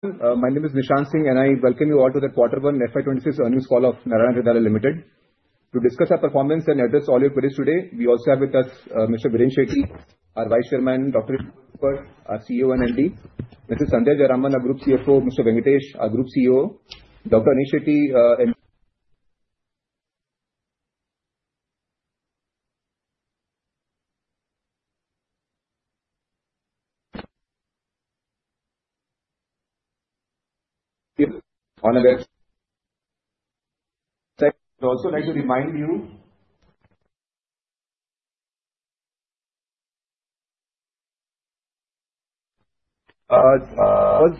My name is Nishant Singh, and I welcome you all to the Q1 FY 2026 earnings call of Narayana Hrudayalaya Limited. To discuss our performance and address all your queries today, we also have with us Mr. Viren Shetty, our Vice Chairman, Dr. Emmanuel Rupert, our CEO and MD, Ms. Sandhya Jayaraman, our Group CFO, Mr. Venkatesh, our Group COO, Dr. Anesh Shetty. On a website, I'd also like to remind you. Was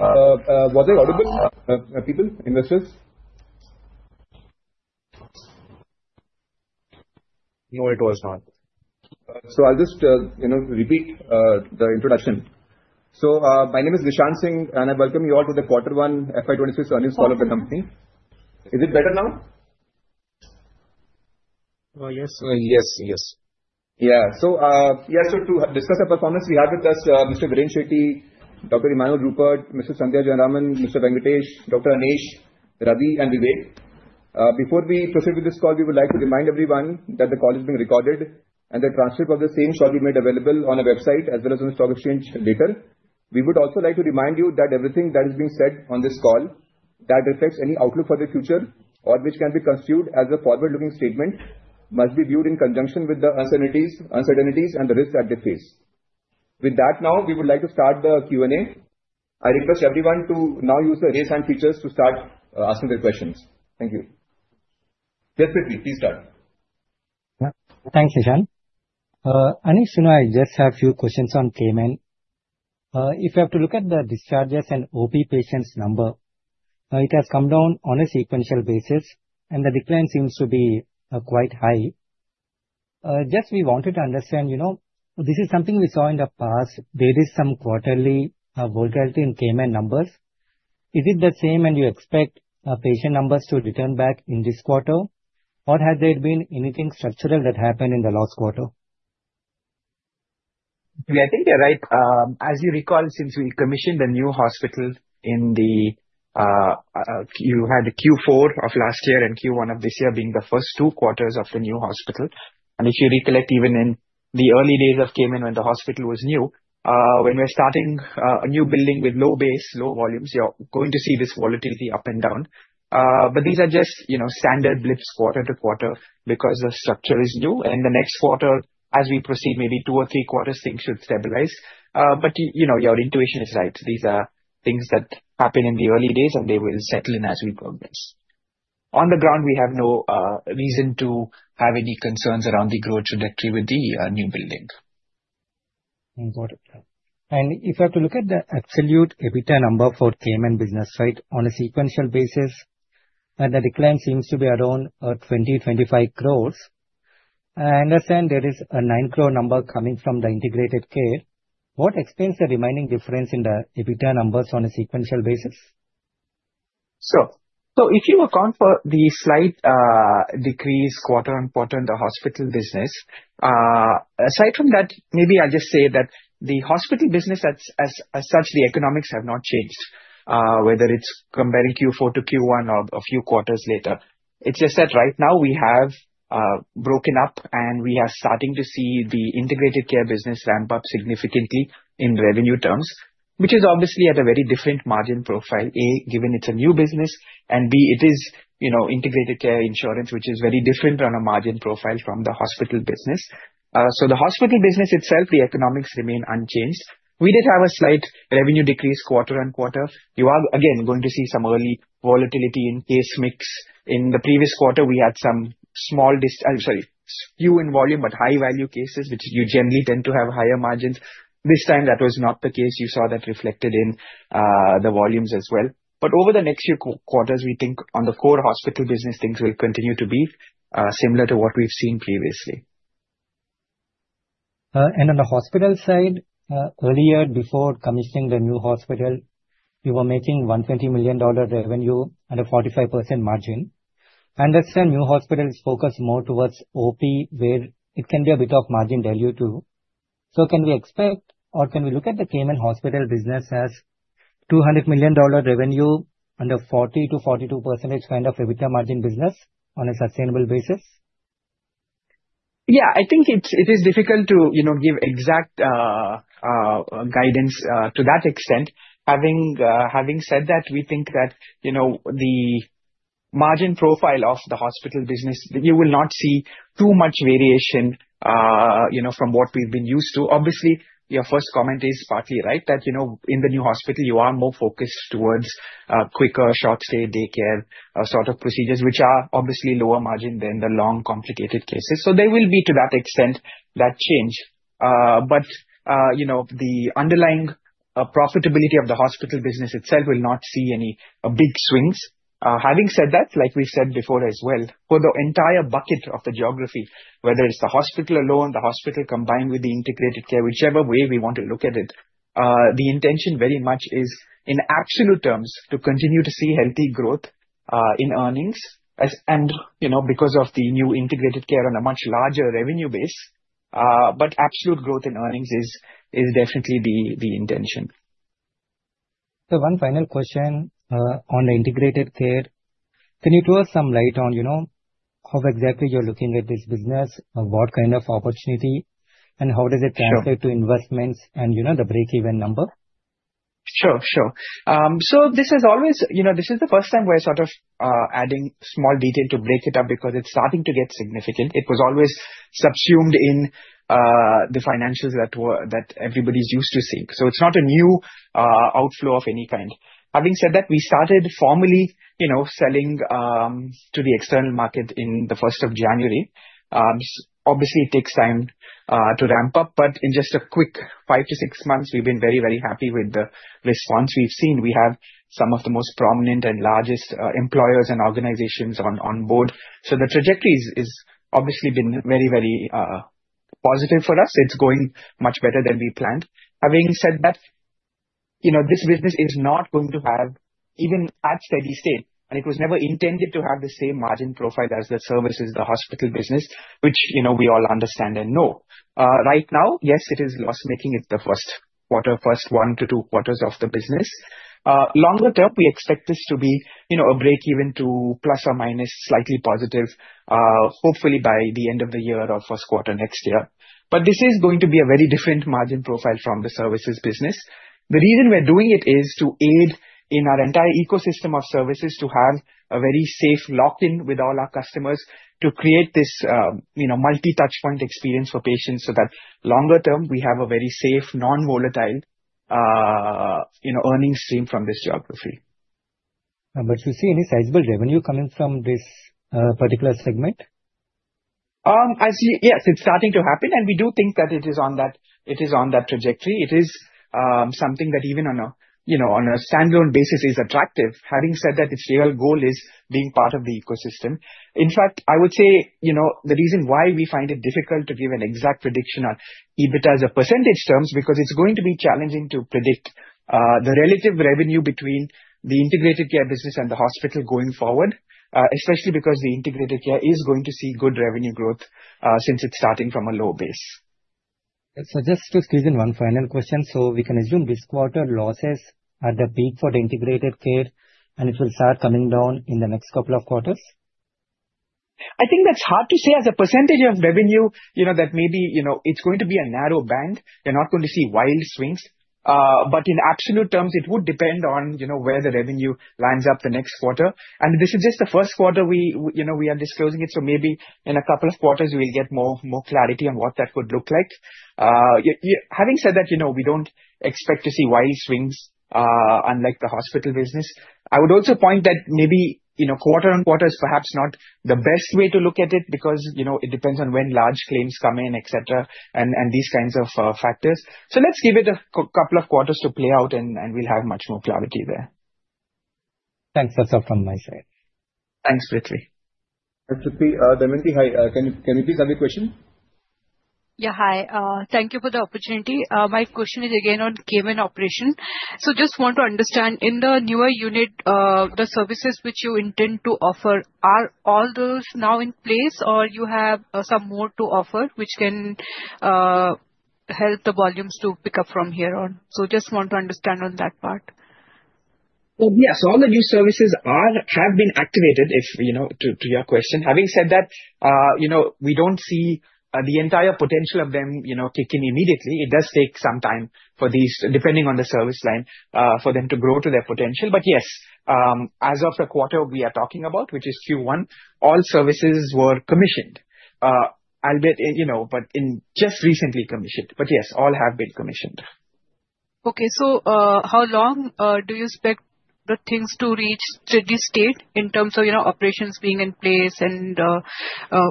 I audible, people, investors? No, it was not. I'll just repeat the introduction. My name is Nishant Singh, and I welcome you all to the Q1 FY 2026 earnings call of the company. Is it better now? Yeah. So to discuss our performance, we have with us Mr. Viren Shetty, Dr. Emmanuel Rupert, Ms. Sandhya Jayaraman, Mr. Venkatesh, Dr. Anesh, Ravi, and Vivek. Before we proceed with this call, we would like to remind everyone that the call is being recorded, and the transcript of this same shall be made available on our website as well as on the stock exchange later. We would also like to remind you that everything that is being said on this call that reflects any outlook for the future, or which can be construed as a forward-looking statement must be viewed in conjunction with the uncertainties and the risks that they face. With that, now we would like to start the Q&A. I request everyone to now use the raise hand features to start asking their questions. Thank you. Yes, Prithvi, please start. Thanks, Nishant. Anesh, you know I just have a few questions on Cayman. If you have to look at the discharges and OP patients' number, it has come down on a sequential basis, and the decline seems to be quite high. Just we wanted to understand, you know this is something we saw in the past. There is some quarterly volatility in Cayman numbers. Is it the same, and do you expect patient numbers to return back in this quarter, or has there been anything structural that happened in the last quarter? I think you're right. As you recall, since we commissioned a new hospital in the Q4 of last year and Q1 of this year being the first two quarters of the new hospital, and if you recollect even in the early days of Cayman when the hospital was new, when we're starting a new building with low base, low volumes, you're going to see this volatility up and down, but these are just standard blips quarter to quarter because the structure is new, and the next quarter, as we proceed, maybe two or three quarters, things should stabilize, but your intuition is right. These are things that happen in the early days, and they will settle in as we progress. On the ground, we have no reason to have any concerns around the growth trajectory with the new building. Got it. And if you have to look at the absolute EBITDA number for Cayman business side on a sequential basis, and the decline seems to be around 20 crores-25 crores, I understand there is a 9 crore number coming from the Integrated Care. What explains the remaining difference in the EBITDA numbers on a sequential basis? If you account for the slight decrease quarter-on-quarter in hospital business, aside from that, maybe I'll just say that hospital business as such, the economics have not changed, whether it's comparing Q4 to Q1 or a few quarters later. It's just that right now we have broken up, and we are starting to see the Integrated Care business ramp up significantly in revenue terms, which is obviously at a very different margin profile, A, given it's a new business, and B, it is Integrated Care insurance, which is very different on a margin profile from hospital business. so hospital business itself, the economics remain unchanged. We did have a slight revenue decrease quarter-on-quarter. You are again going to see some early volatility in case mix. In the previous quarter, we had some small, sorry, few in volume, but high value cases, which you generally tend to have higher margins. This time, that was not the case. You saw that reflected in the volumes as well. But over the next few quarters, we think on the hospital business, things will continue to be similar to what we've seen previously. On the hospital side, earlier before commissioning the new hospital, you were making $120 million revenue and a 45% margin. I understand new hospitals focus more towards OP, where it can be a bit of margin value too. So can we expect or can we look at the hospital business as $200 million revenue and a 40%-42% kind of EBITDA margin business on a sustainable basis? Yeah, I think it is difficult to give exact guidance to that extent. Having said that, we think that the margin profile of hospital business, you will not see too much variation from what we've been used to. Obviously, your first comment is partly right that in the new hospital, you are more focused towards quicker short-stay daycare sort of procedures, which are obviously lower margin than the long-complicated cases. So there will be to that extent that change. But the underlying profitability of hospital business itself will not see any big swings. Having said that, like we've said before as well, for the entire bucket of the geography, whether it's the hospital alone, the hospital combined with the Integrated Care, whichever way we want to look at it, the intention very much is in absolute terms to continue to see healthy growth in earnings. Because of the new Integrated Care on a much larger revenue base, but absolute growth in earnings is definitely the intention. So one final question on the Integrated Care. Can you throw some light on how exactly you're looking at this business, what kind of opportunity, and how does it translate to investments and the break-even number? Sure, sure. So this is always, this is the first time we're sort of adding small detail to break it up because it's starting to get significant. It was always subsumed in the financials that everybody's used to seeing. So it's not a new outflow of any kind. Having said that, we started formally selling to the external market in the first of January. Obviously, it takes time to ramp up, but in just a quick five to six months, we've been very, very happy with the response we've seen. We have some of the most prominent and largest employers and organizations on board. So the trajectory has obviously been very, very positive for us. It's going much better than we planned. Having said that, this business is not going to have even at steady state, and it was never intended to have the same margin profile as the services, hospital business, which we all understand and know. Right now, yes, it is loss-making. It's the first quarter, first one to two quarters of the business. Longer term, we expect this to be a break-even to plus or minus slightly positive, hopefully by the end of the year or first quarter next year. But this is going to be a very different margin profile from the services business. The reason we're doing it is to aid in our entire ecosystem of services to have a very safe lock-in with all our customers to create this multi-touchpoint experience for patients so that longer term, we have a very safe, non-volatile earnings stream from this geography. But you see any sizable revenue coming from this particular segment? Yes, it's starting to happen, and we do think that it is on that trajectory. It is something that even on a standalone basis is attractive. Having said that, its real goal is being part of the ecosystem. In fact, I would say the reason why we find it difficult to give an exact prediction on EBITDA as a percentage term is because it's going to be challenging to predict the relative revenue between the Integrated Care business and the hospital going forward, especially because the Integrated Care is going to see good revenue growth since it's starting from a low base. So just to squeeze in one final question, so we can assume this quarter losses are the peak for the Integrated Care, and it will start coming down in the next couple of quarters? I think that's hard to say as a percentage of revenue, that maybe it's going to be a narrow band. You're not going to see wild swings, but in absolute terms, it would depend on where the revenue lines up the next quarter. This is just the first quarter we are disclosing it, so maybe in a couple of quarters, we'll get more clarity on what that could look like. Having said that, we don't expect to see wild swings unlike hospital business. i would also point that maybe quarter on quarter is perhaps not the best way to look at it because it depends on when large claims come in, etc., and these kinds of factors. Let's give it a couple of quarters to play out, and we'll have much more clarity there. Thanks. That's all from my side. Thanks, Prithvi. Thanks, Prithvi. Damayanti, can you please have a question? Yeah, hi. Thank you for the opportunity. My question is again on patient operation. So just want to understand, in the newer unit, the services which you intend to offer, are all those now in place, or you have some more to offer which can help the volumes to pick up from here on? So just want to understand on that part. Yeah, so all the new services have been activated, to your question. Having said that, we don't see the entire potential of them kick in immediately. It does take some time for these, depending on the service line, for them to grow to their potential. But yes, as of the quarter we are talking about, which is Q1, all services were commissioned, but just recently commissioned. But yes, all have been commissioned. How long do you expect the things to reach steady state in terms of operations being in place and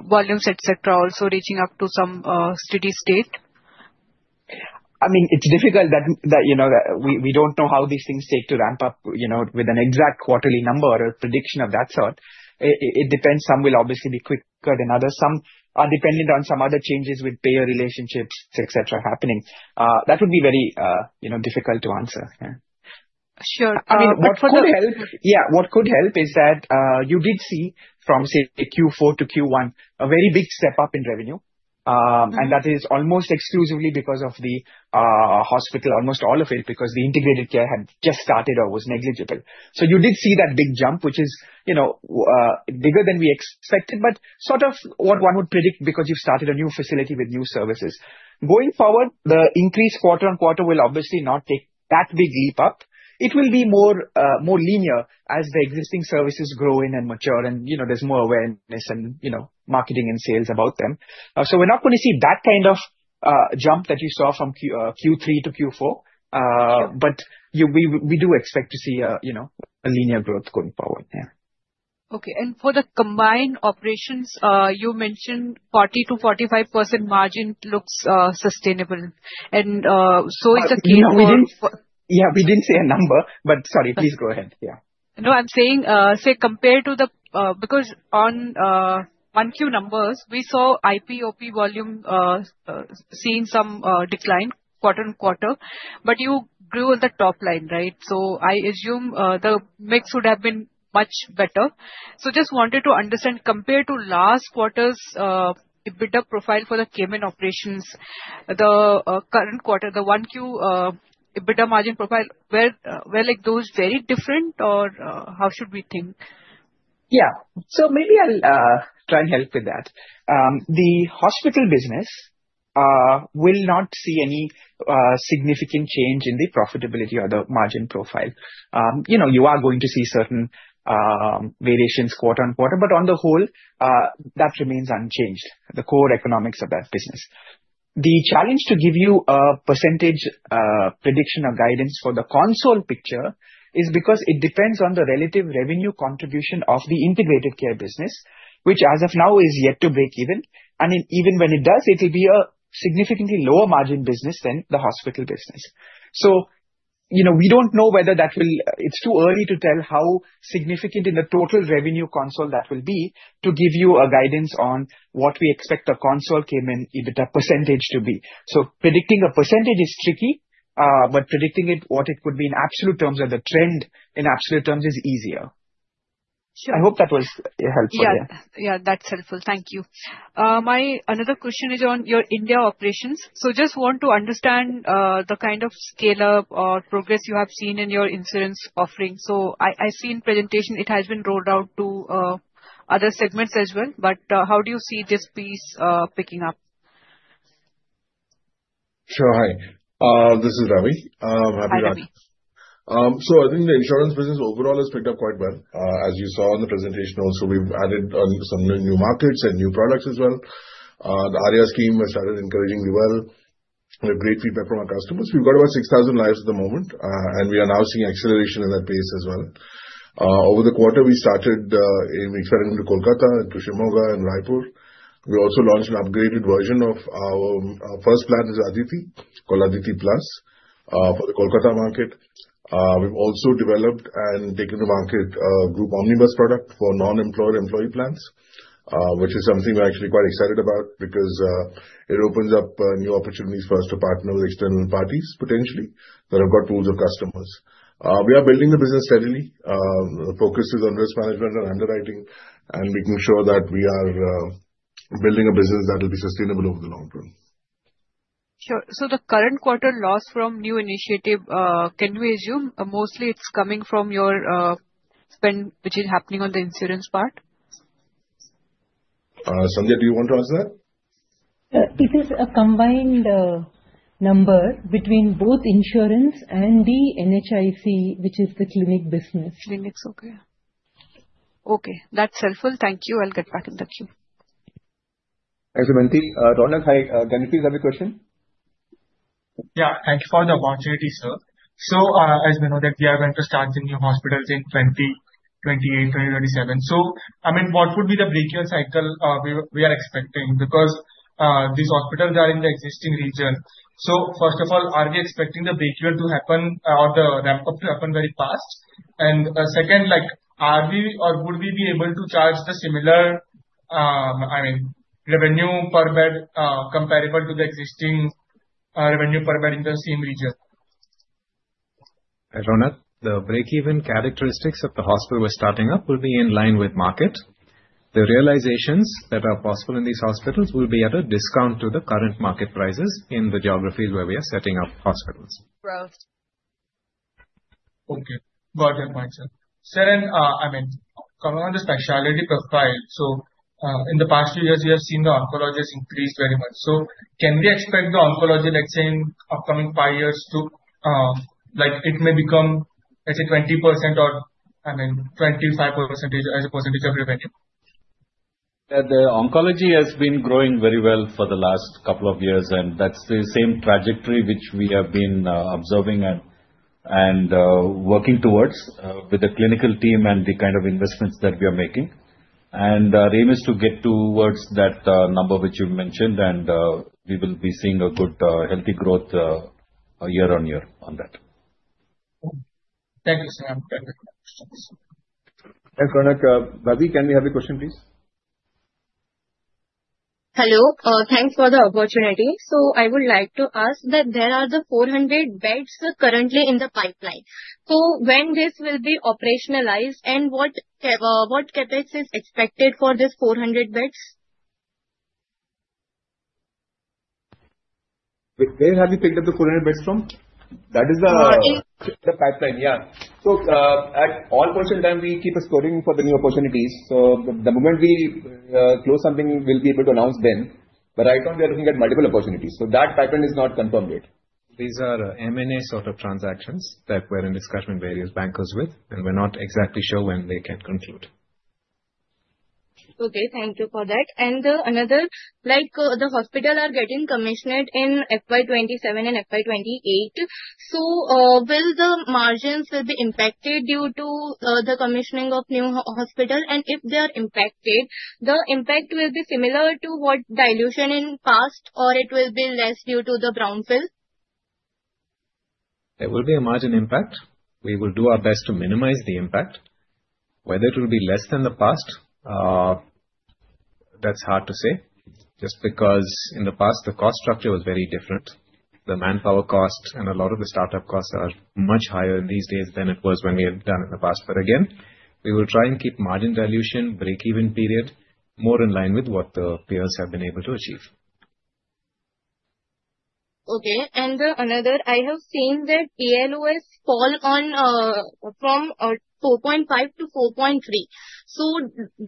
volumes, etc., also reaching up to some steady state? I mean, it's difficult that we don't know how these things take to ramp up with an exact quarterly number or prediction of that sort. It depends. Some will obviously be quicker than others. Some are dependent on some other changes with payer relationships, etc., happening. That would be very difficult to answer. Sure. I mean, what could help? Yeah, what could help is that you did see from, say, Q4 to Q1, a very big step up in revenue. And that is almost exclusively because of the hospital, almost all of it, because the Integrated Care had just started or was negligible. So you did see that big jump, which is bigger than we expected, but sort of what one would predict because you've started a new facility with new services. Going forward, the increase quarter on quarter will obviously not take that big leap up. It will be more linear as the existing services grow in and mature, and there's more awareness and marketing and sales about them. So we're not going to see that kind of jump that you saw from Q3 to Q4, but we do expect to see a linear growth going forward. Okay, and for the combined operations, you mentioned 40%-45% margin looks sustainable. And so it's a case of. Yeah, we didn't say a number, but sorry, please go ahead. Yeah. No, I'm saying, say compared to the, because on Q1 numbers, we saw IP, OP volume seeing some decline quarter on quarter, but you grew on the top line, right? So I assume the mix would have been much better. So just wanted to understand, compared to last quarter's EBITDA profile for the patient operations, the current quarter, the Q1 EBITDA margin profile, were those very different, or how should we think? Yeah, so maybe I'll try and help with that. hospital business will not see any significant change in the profitability or the margin profile. You are going to see certain variations quarter on quarter, but on the whole, that remains unchanged, the core economics of that business. The challenge to give you a percentage prediction or guidance for the consolidated picture is because it depends on the relative revenue contribution of the Integrated Care business, which as of now is yet to break even. And even when it does, it'll be a significantly lower margin business than hospital business. so we don't know whether that will, it's too early to tell how significant in the total revenue consol that will be to give you a guidance on what we expect the consol Cayman EBITDA percentage to be. Predicting a percentage is tricky, but predicting what it could be in absolute terms or the trend in absolute terms is easier. I hope that was helpful. Yeah, that's helpful. Thank you. My another question is on your India operations. So just want to understand the kind of scale-up or progress you have seen in your insurance offering. So I see in presentation it has been rolled out to other segments as well, but how do you see this piece picking up? Sure, hi. This is Ravi. Happy to. Hi, Ravi. I think the insurance business overall has picked up quite well. As you saw in the presentation also, we've added on some new markets and new products as well. The Arya scheme has started encouragingly well. We have great feedback from our customers. We've got about 6,000 lives at the moment, and we are now seeing acceleration at that pace as well. Over the quarter, we started expanding to Kolkata, to Shimoga, and Raipur. We also launched an upgraded version of our first plan is Aditi, called Aditi Plus for the Kolkata market. We've also developed and taken to market a group omnibus product for non-employer employee plans, which is something we're actually quite excited about because it opens up new opportunities for us to partner with external parties potentially that have got roster of customers. We are building the business steadily. The focus is on risk management and underwriting and making sure that we are building a business that will be sustainable over the long term. Sure. So the current quarter loss from new initiative, can we assume mostly it's coming from your spend, which is happening on the Insurance part? Sandhya, do you want to answer that? It is a combined number between both Insurance and the NHIC, which is the clinic business. Okay, that's helpful. Thank you. I'll get back in the queue. Thanks, Damayanti. Ronak hi, can we please have your question? Yeah, thank you for the opportunity, sir. So as we know that we are going to start the new hospitals in 2028, 2027. So I mean, what would be the break-even cycle we are expecting? Because these hospitals are in the existing region. So first of all, are we expecting the break-even to happen or the ramp-up to happen very fast? And second, are we or would we be able to charge the similar, I mean, revenue per bed comparable to the existing revenue per bed in the same region? Ronak, the break-even characteristics of the hospital we're starting up will be in line with market. The realizations that are possible in these hospitals will be at a discount to the current market prices in the geographies where we are setting up hospitals. Okay, got your point, sir. Sir, and I mean, coming on the specialty profile, so in the past few years, we have seen the oncologists increase very much. So can we expect the oncology, let's say, in upcoming five years to it may become, let's say, 20% or, I mean, 25% as a percentage of revenue? The oncology has been growing very well for the last couple of years, and that's the same trajectory which we have been observing and working towards with the clinical team and the kind of investments that we are making. And our aim is to get towards that number which you mentioned, and we will be seeing a good healthy growth year-on-year on that. Thank you, sir. I'm done with my questions. Thank you. Bhavi, can we have your question, please? Hello, thanks for the opportunity. So I would like to ask that there are the 400 beds currently in the pipeline. So when this will be operationalized, and what CapEx is expected for these 400 beds? Where have you picked up the 400 beds from? That is the. Oh, in. The pipeline, yeah. So at all possible time, we keep exploring for the new opportunities. So the moment we close something, we'll be able to announce then. But right now, we are looking at multiple opportunities. So that pipeline is not confirmed yet. These are M&A sort of transactions that we're in discussion with various bankers with, and we're not exactly sure when they can conclude. Okay, thank you for that. And another, the hospitals are getting commissioned in FY 2027 and FY 2028. So, will the margins be impacted due to the commissioning of new hospitals? And if they are impacted, the impact will be similar to the dilution in the past, or it will be less due to the brownfield? It will be a margin impact. We will do our best to minimize the impact. Whether it will be less than the past, that's hard to say. Just because in the past, the cost structure was very different. The manpower cost and a lot of the startup costs are much higher these days than it was when we had done in the past. But again, we will try and keep margin dilution, break-even period more in line with what the peers have been able to achieve. Okay, and another, I have seen that ALOS fell from 4.5 to 4.3. So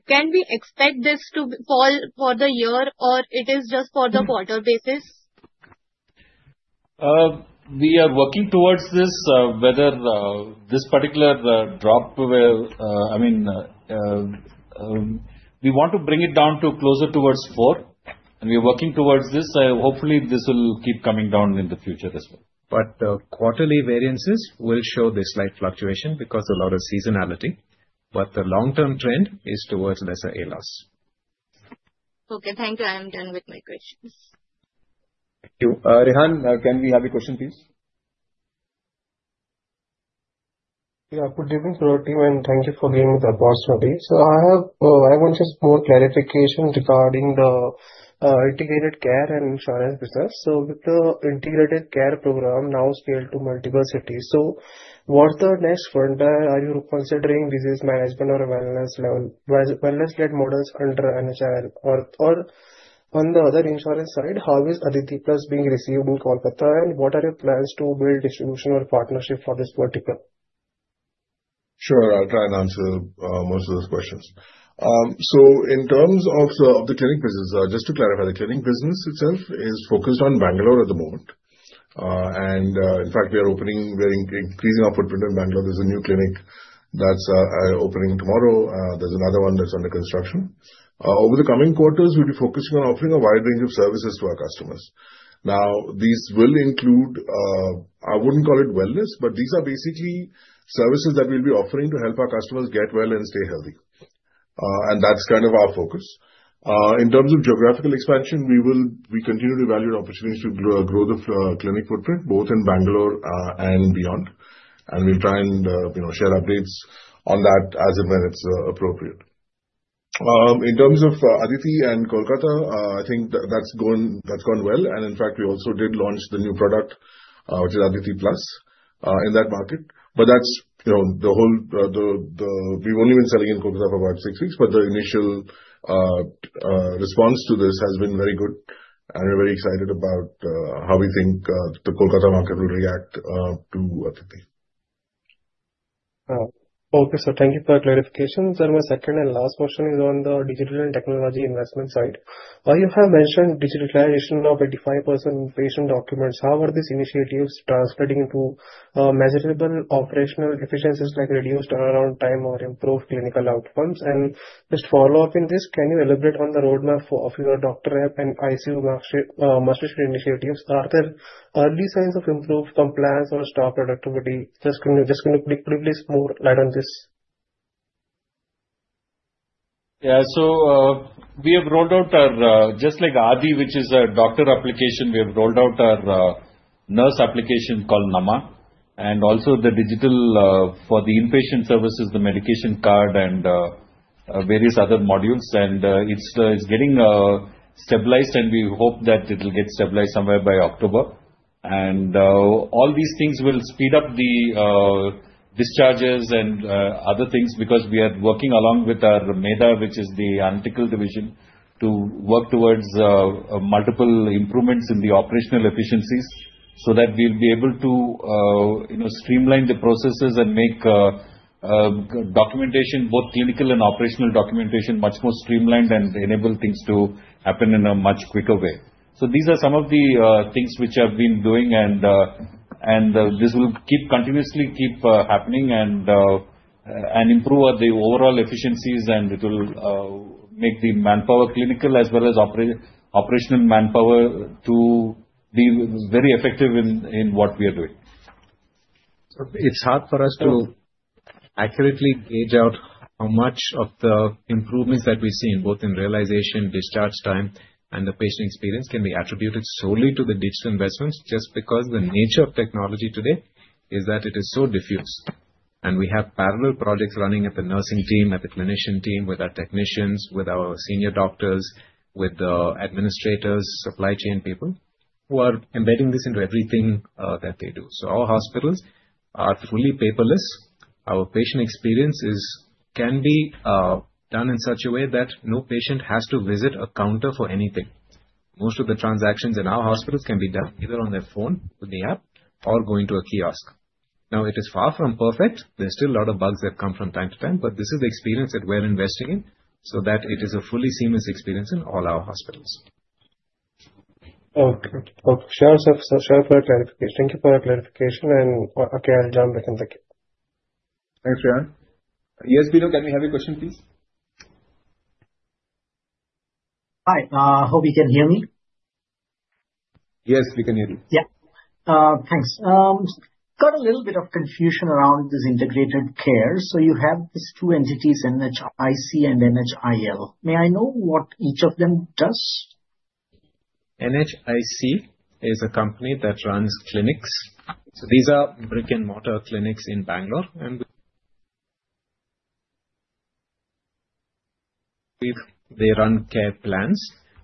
can we expect this to fall for the year, or it is just for the quarter basis? We are working towards this. Whether this particular drop, I mean, we want to bring it down to closer towards four. And we are working towards this. Hopefully, this will keep coming down in the future as well. But the quarterly variances will show this slight fluctuation because of a lot of seasonality. But the long-term trend is towards lesser ALOS. Okay, thank you. I am done with my questions. Thank you. Rehan, can we have a question, please? Yeah, good evening to the team, and thank you for giving me the opportunity. So I want just more clarification regarding the Integrated Care and insurance business. So with the Integrated Care program now scaled to multiple cities, so what's the next frontier? Are you considering disease management or wellness-led models under NHIL? Or on the other insurance side, how is Aditi Plus being received in Kolkata? And what are your plans to build distribution or partnership for this vertical? Sure, I'll try and answer most of those questions, so in terms of clinic business, just to clarify, clinic business itself is focused on Bangalore at the moment, and in fact, we are increasing our footprint in Bangalore. There's a new clinic that's opening tomorrow. There's another one that's under construction. Over the coming quarters, we'll be focusing on offering a wide range of services to our customers. Now, these will include, I wouldn't call it wellness, but these are basically services that we'll be offering to help our customers get well and stay healthy, and that's kind of our focus. In terms of geographical expansion, we continue to evaluate opportunities to grow the Clinic footprint, both in Bangalore and beyond, and we'll try and share updates on that as and when it's appropriate. In terms of Aditi and Kolkata, I think that's gone well. In fact, we also did launch the new product, which is Aditi Plus, in that market. That's the whole we've only been selling in Kolkata for about six weeks, but the initial response to this has been very good. We're very excited about how we think the Kolkata market will react to Aditi. Okay, sir, thank you for the clarifications. My second and last question is on the digital and technology investment side. You have mentioned digitalization of 85% patient documents. How are these initiatives translating into measurable operational efficiencies like reduced turnaround time or improved clinical outcomes? And just follow up in this, can you elaborate on the roadmap of your doctor and ICU master sheet initiatives? Are there early signs of improved compliance or staff productivity? Just, can you please shed more light on this? Yeah, so we have rolled out our just like Aadi, which is a doctor application. We have rolled out our nurse application called Aha, and also the digital for the inpatient services, the medication card, and various other modules. It's getting stabilized, and we hope that it'll get stabilized somewhere by October. All these things will speed up the discharges and other things because we are working along with our Medha, which is the analytical division, to work towards multiple improvements in the operational efficiencies so that we'll be able to streamline the processes and make documentation, both clinical and operational documentation, much more streamlined and enable things to happen in a much quicker way. So these are some of the things which have been doing, and this will continuously keep happening and improve the overall efficiencies, and it will make the manpower clinical as well as operational manpower to be very effective in what we are doing. It's hard for us to accurately gauge out how much of the improvements that we've seen, both in realization, discharge time, and the patient experience, can be attributed solely to the digital investments just because the nature of technology today is that it is so diffuse, and we have parallel projects running at the nursing team, at the clinician team, with our technicians, with our senior doctors, with the administrators, supply chain people who are embedding this into everything that they do, so our hospitals are fully paperless. Our patient experience can be done in such a way that no patient has to visit a counter for anything. Most of the transactions in our hospitals can be done either on their phone with the app or going to a kiosk. Now, it is far from perfect. There's still a lot of bugs that come from time to time, but this is the experience that we're investing in so that it is a fully seamless experience in all our hospitals. Okay. Thank you for your clarification, and okay, I'll jump back in the queue. Thanks, Rehan. Yes, Bino, can we have your question, please? Hi, I hope you can hear me. Yes, we can hear you. Yeah. Thanks. Got a little bit of confusion around this Integrated Care. So you have these two entities, NHIC and NHIL. May I know what each of them does? NHIC is a company that runs clinics, so these are brick & mortar clinics in Bangalore, and they run care plans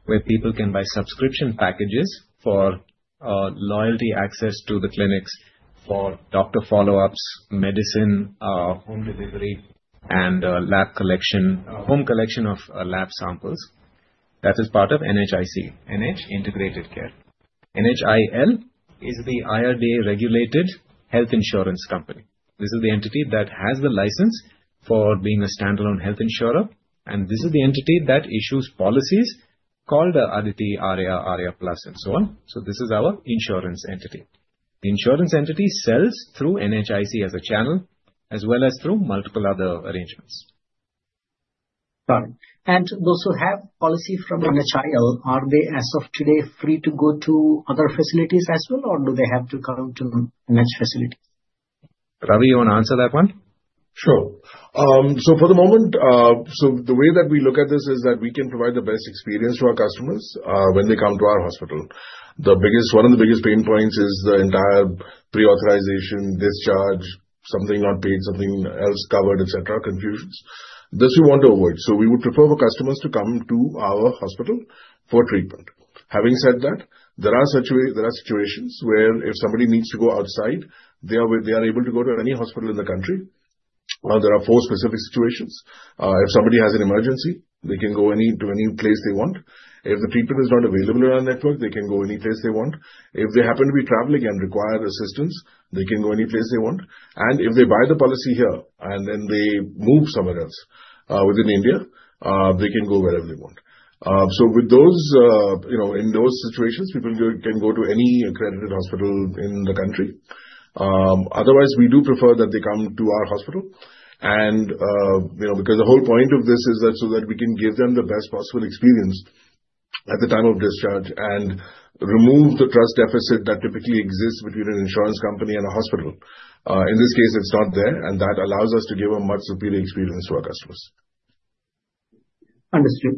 where people can buy subscription packages for loyalty access to the clinics for doctor follow-ups, medicine, home delivery, and lab collection, home collection of lab samples. That is part of NHIC, NH Integrated Care. NHIL is the IRDAI-regulated health insurance company. This is the entity that has the license for being a standalone health insurer, and this is the entity that issues policies called Aditi, Arya, Arya Plus, and so on, so this is our insurance entity. The insurance entity sells through NHIC as a channel as well as through multiple other arrangements. Got it. And those who have policy from NHIL, are they as of today free to go to other facilities as well, or do they have to come to NH facilities? Ravi, you want to answer that one? Sure. So for the moment, the way that we look at this is that we can provide the best experience to our customers when they come to our hospital. One of the biggest pain points is the entire pre-authorization, discharge, something not paid, something else covered, etc., confusions. This we want to avoid. So we would prefer for customers to come to our hospital for treatment. Having said that, there are situations where if somebody needs to go outside, they are able to go to any hospital in the country. There are four specific situations. If somebody has an emergency, they can go to any place they want. If the treatment is not available in our network, they can go any place they want. If they happen to be traveling and require assistance, they can go any place they want. If they buy the policy here and then they move somewhere else within India, they can go wherever they want. So in those situations, people can go to any accredited hospital in the country. Otherwise, we do prefer that they come to our hospital. And because the whole point of this is so that we can give them the best possible experience at the time of discharge and remove the trust deficit that typically exists between an insurance company and a hospital. In this case, it's not there, and that allows us to give a much superior experience to our customers. Understood.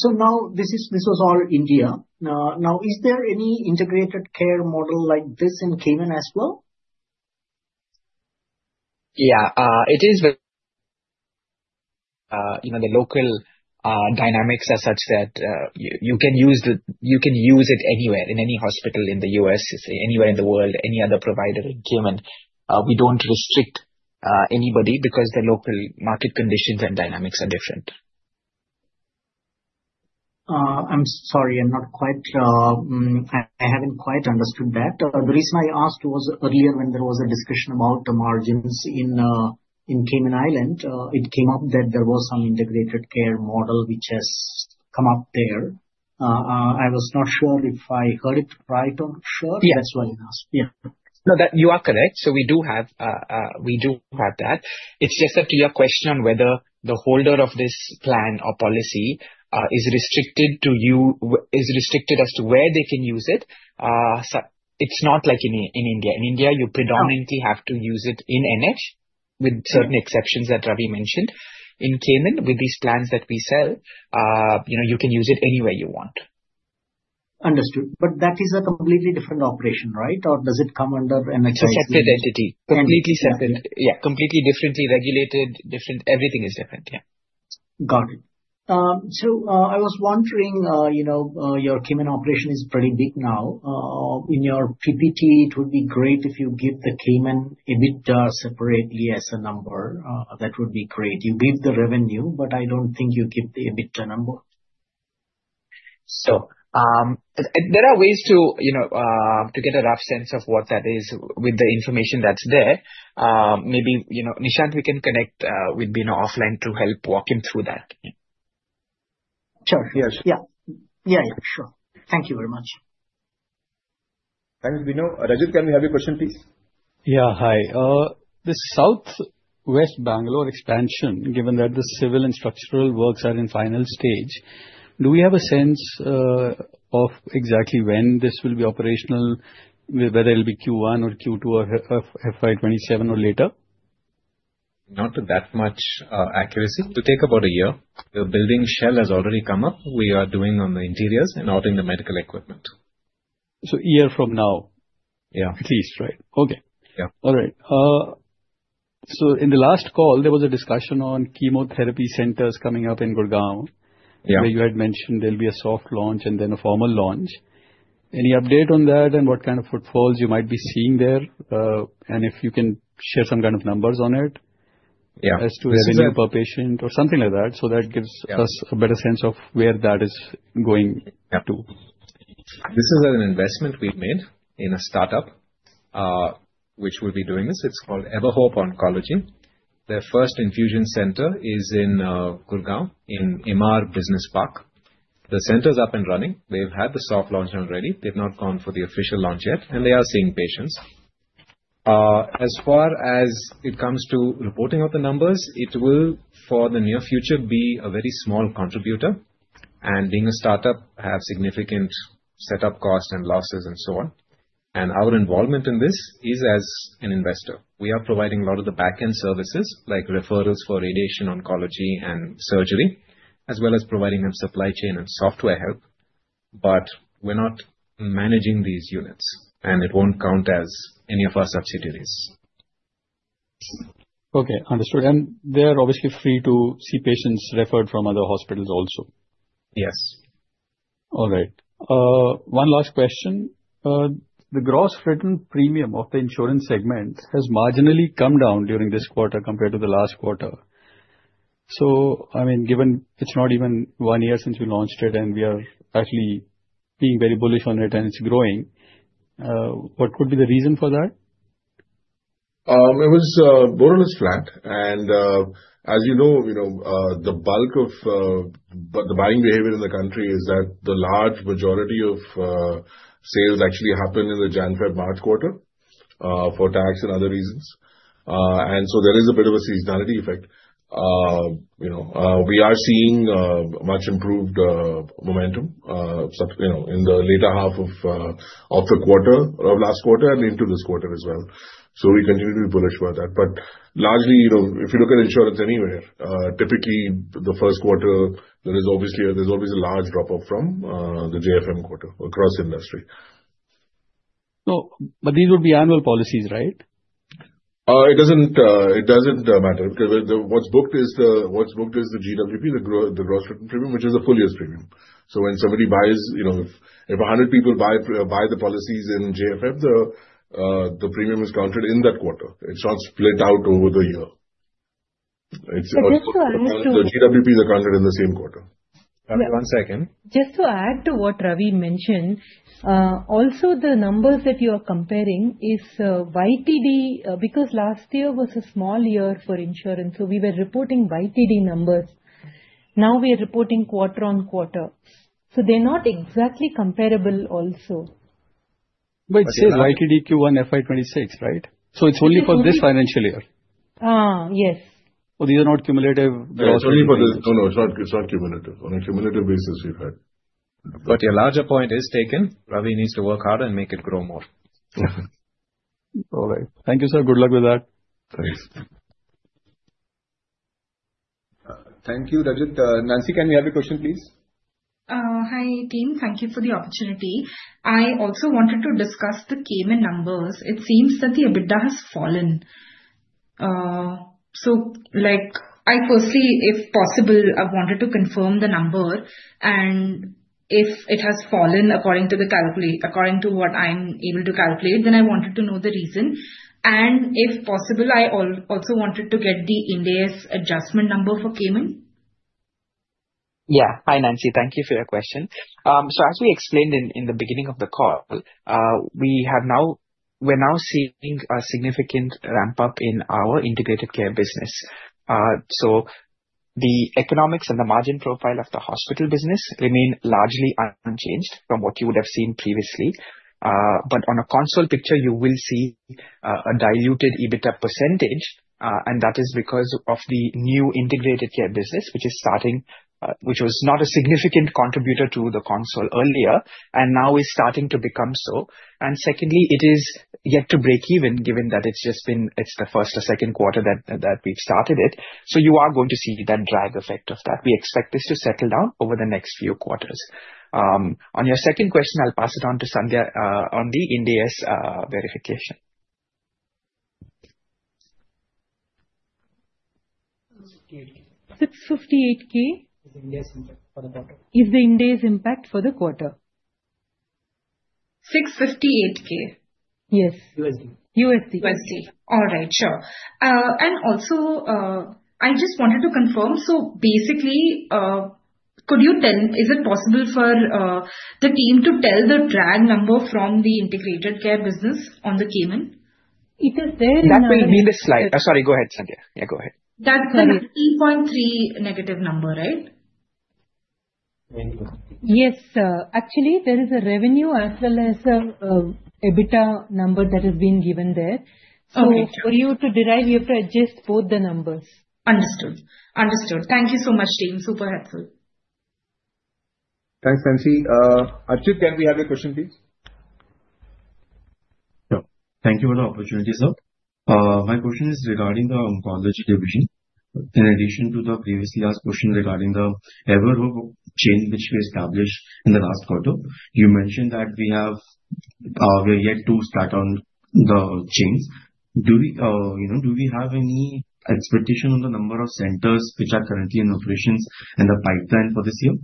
So now this was all India. Now, is there any Integrated Care model like this in Cayman as well? Yeah. It is the local dynamics are such that you can use it anywhere, in any hospital in the U.S., anywhere in the world, any other provider in Cayman. We don't restrict anybody because the local market conditions and dynamics are different. I'm sorry, I'm not quite I haven't quite understood that. The reason I asked was earlier when there was a discussion about the margins in Cayman Islands, it came up that there was some Integrated Care model which has come up there. I was not sure if I heard it right or not sure. That's why I asked. No, you are correct. So we do have that. It's just up to your question on whether the holder of this plan or policy is restricted as to where they can use it. It's not like in India. In India, you predominantly have to use it in NH, with certain exceptions that Ravi mentioned. In Cayman, with these plans that we sell, you can use it anywhere you want. Understood. But that is a completely different operation, right? Or does it come under NHIC? It's a separate entity. Completely separate. Yeah. Completely differently regulated. Everything is different, yeah. Got it. So I was wondering, your Cayman operation is pretty big now. In your PPT, it would be great if you give the Cayman EBITDA separately as a number. That would be great. You give the revenue, but I don't think you give the EBITDA number. So there are ways to get a rough sense of what that is with the information that's there. Maybe Nishant, we can connect with Bino offline to help walk him through that. Sure. Yeah. Yeah. Yeah, yeah. Sure. Thank you very much. Thanks, Bino. Rajit, can we have your question, please? Yeah, hi. The Southwest Bangalore expansion, given that the civil and structural works are in final stage, do we have a sense of exactly when this will be operational, whether it'll be Q1 or Q2 or FY 2027 or later? Not with that much accuracy. It will take about a year. The building shell has already come up. We are working on the interiors and outfitting the medical equipment. So a year from now? Yeah, at least, right? Okay. All right. So in the last call, there was a discussion on chemotherapy centers coming up in Gurgaon, where you had mentioned there'll be a soft launch and then a formal launch. Any update on that and what kind of footfalls you might be seeing there? And if you can share some kind of numbers on it as to revenue per patient or something like that, so that gives us a better sense of where that is going to. This is an investment we've made in a startup which will be doing this. It's called Everhope Oncology. Their first infusion center is in Gurgaon, in Emaar Business Park. The center is up and running. They've had the soft launch already. They've not gone for the official launch yet, and they are seeing patients. As far as it comes to reporting of the numbers, it will, for the near future, be a very small contributor. And being a startup, have significant setup costs and losses and so on. And our involvement in this is as an investor. We are providing a lot of the backend services, like referrals for radiation oncology and surgery, as well as providing them supply chain and software help. But we're not managing these units, and it won't count as any of our subsidiaries. Okay. Understood. And they're obviously free to see patients referred from other hospitals also. Yes. All right. One last question. The gross written premium of the insurance segment has marginally come down during this quarter compared to the last quarter. So I mean, given it's not even one year since we launched it, and we are actually being very bullish on it, and it's growing, what could be the reason for that? It was more or less flat, and as you know, the bulk of the buying behavior in the country is that the large majority of sales actually happen in the Jan-Feb-March quarter for tax and other reasons, and so there is a bit of a seasonality effect. We are seeing much improved momentum in the later half of the quarter of last quarter and into this quarter as well, so we continue to be bullish about that, but largely, if you look at insurance anywhere, typically the first quarter, there is obviously a large drop-off from the JFM quarter across industry. But these would be annual policies, right? It doesn't matter. What's booked is the GWP, the Gross Written Premium, which is the full year's premium. So when somebody buys, if 100 people buy the policies in JFM, the premium is counted in that quarter. It's not split out over the year. The GWPs are counted in the same quarter. One second. Just to add to what Ravi mentioned, also the numbers that you are comparing is YTD, because last year was a small year for insurance, so we were reporting YTD numbers. Now we are reporting quarter-on-quarter. So they're not exactly comparable also. But it says YTD Q1 FY 2026, right? So it's only for this financial year. Yes. Or these are not cumulative? No, it's not cumulative. On a cumulative basis, we've had. But your larger point is taken. Ravi needs to work harder and make it grow more. All right. Thank you, sir. Good luck with that. Thanks. Thank you, Rajit. Nancy, can we have your question, please? Hi, team. Thank you for the opportunity. I also wanted to discuss the Cayman numbers. It seems that the EBITDA has fallen. So, like, firstly, if possible, I wanted to confirm the number. And if it has fallen according to what I'm able to calculate, then I wanted to know the reason. And if possible, I also wanted to get the Ind AS adjustment number for Cayman. Yeah. Hi, Nancy. Thank you for your question. So as we explained in the beginning of the call, we're now seeing a significant ramp-up in our Integrated Care business. So the economics and the margin profile of hospital business remain largely unchanged from what you would have seen previously. But on a consolidated picture, you will see a diluted EBITDA percentage, and that is because of the new Integrated Care business, which was not a significant contributor to the consolidated earlier and now is starting to become so. And secondly, it is yet to break even, given that it's the first or second quarter that we've started it. So you are going to see that drag effect of that. We expect this to settle down over the next few quarters. On your second question, I'll pass it on to Sandhya on the Ind AS verification. $658,000 Is the impact for the quarter. All right. Sure. And also, I just wanted to confirm. So basically, could you tell me, is it possible for the team to tell the drag number from the Integrated Care business on the Cayman? It is there. That will be the slide. Sorry, go ahead, Sandhya. Yeah, go ahead. That's 9.3 crore negative number, right? Yes. Actually, there is a revenue as well as an EBITDA number that has been given there. So for you to derive, you have to adjust both the numbers. Understood. Understood. Thank you so much, team. Super helpful. Thanks, Nancy. Archit, can we have your question, please? Sure. Thank you for the opportunity, sir. My question is regarding the oncology division. In addition to the previously asked question regarding the EverHope chain which we established in the last quarter, you mentioned that we are yet to start on the chain. Do we have any expectation on the number of centers which are currently in operations and the pipeline for this year?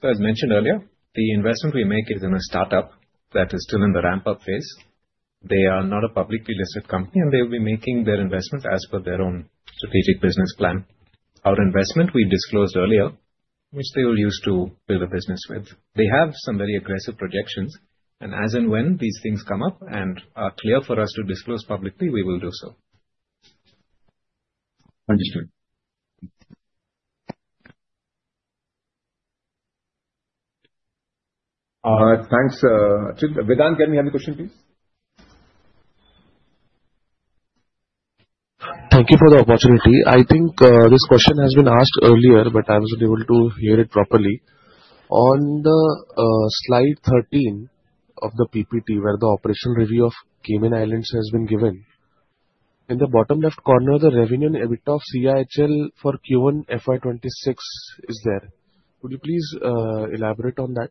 So as mentioned earlier, the investment we make is in a startup that is still in the ramp-up phase. They are not a publicly listed company, and they will be making their investments as per their own strategic business plan. Our investment we disclosed earlier, which they will use to build a business with. They have some very aggressive projections. And as and when these things come up and are clear for us to disclose publicly, we will do so. Understood. All right. Thanks, Archit. Vedant, can we have your question, please? Thank you for the opportunity. I think this question has been asked earlier, but I wasn't able to hear it properly. On the slide 13 of the PPT, where the operational review of Cayman Islands has been given, in the bottom left corner, the revenue and EBITDA of CIHL for Q1 FY 2026 is there. Could you please elaborate on that?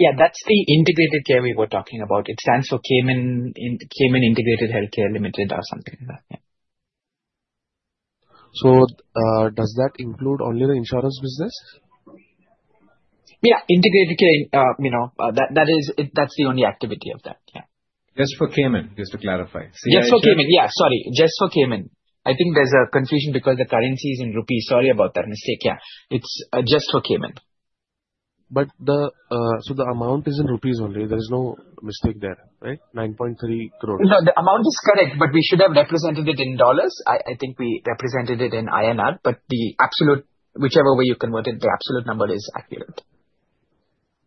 Yeah. That's the Integrated Care we were talking about. It stands for Cayman Integrated Healthcare Limited or something like that. So does that include only the insurance business? Yeah. Integrated Care, that's the only activity of that, yeah. Just for Cayman, just to clarify. Yes, for Cayman. Yeah. Sorry. Just for Cayman. I think there's a confusion because the currency is in rupees. Sorry about that mistake. Yeah. It's just for Cayman. But so the amount is in rupees only. There is no mistake there, right? 9.3 crores. No, the amount is correct, but we should have represented it in dollars. I think we represented it in INR, but whichever way you convert it, the absolute number is accurate.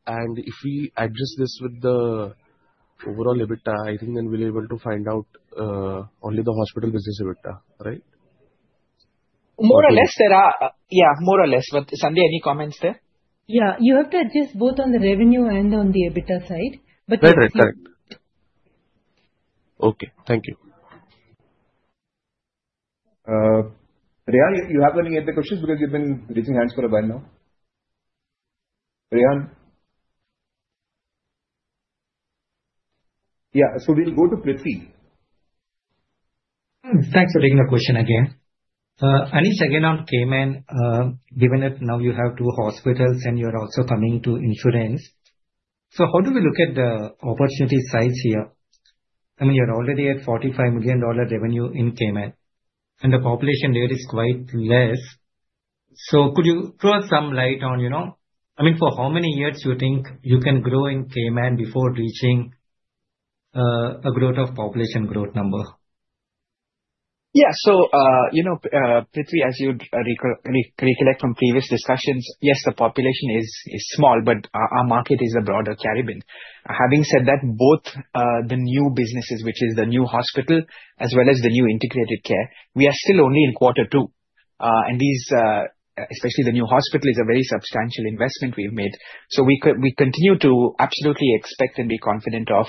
If we adjust this with the overall EBITDA, I think then we'll be able to find out only hospital business ebitda, right? More or less, there are. Yeah, more or less. But Sandhya, any comments there? Yeah. You have to adjust both on the revenue and on the EBITDA side. Right, right, right. Okay. Thank you. Rehan, you have any other questions because you've been raising hands for a while now? Rehan? Yeah. So we'll go to Prithvi. Thanks for taking the question again. Anesh, again on Cayman, given that now you have two hospitals and you're also coming to insurance. So how do we look at the opportunity size here? I mean, you're already at $45 million revenue in Cayman. And the population there is quite less. So could you throw some light on, I mean, for how many years do you think you can grow in Cayman before reaching a population growth number? Yeah. So Prithvi, as you recollect from previous discussions, yes, the population is small, but our market is a broader Caribbean. Having said that, both the new businesses, which is the new hospital as well as the new Integrated Care, we are still only in quarter two. And especially the new hospital is a very substantial investment we've made. So we continue to absolutely expect and be confident of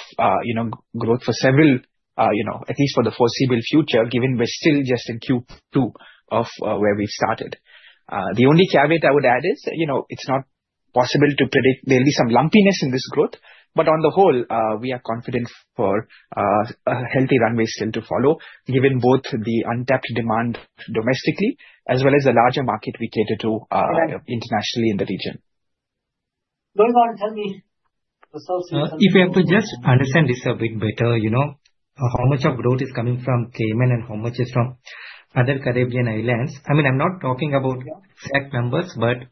growth for several, at least for the foreseeable future, given we're still just in Q2 of where we've started. The only caveat I would add is it's not possible to predict. There'll be some lumpiness in this growth, but on the whole, we are confident for a healthy runway still to follow, given both the untapped demand domestically as well as the larger market we cater to internationally in the region. If we have to just understand this a bit better, how much of growth is coming from Cayman and how much is from other Caribbean islands? I mean, I'm not talking about exact numbers, but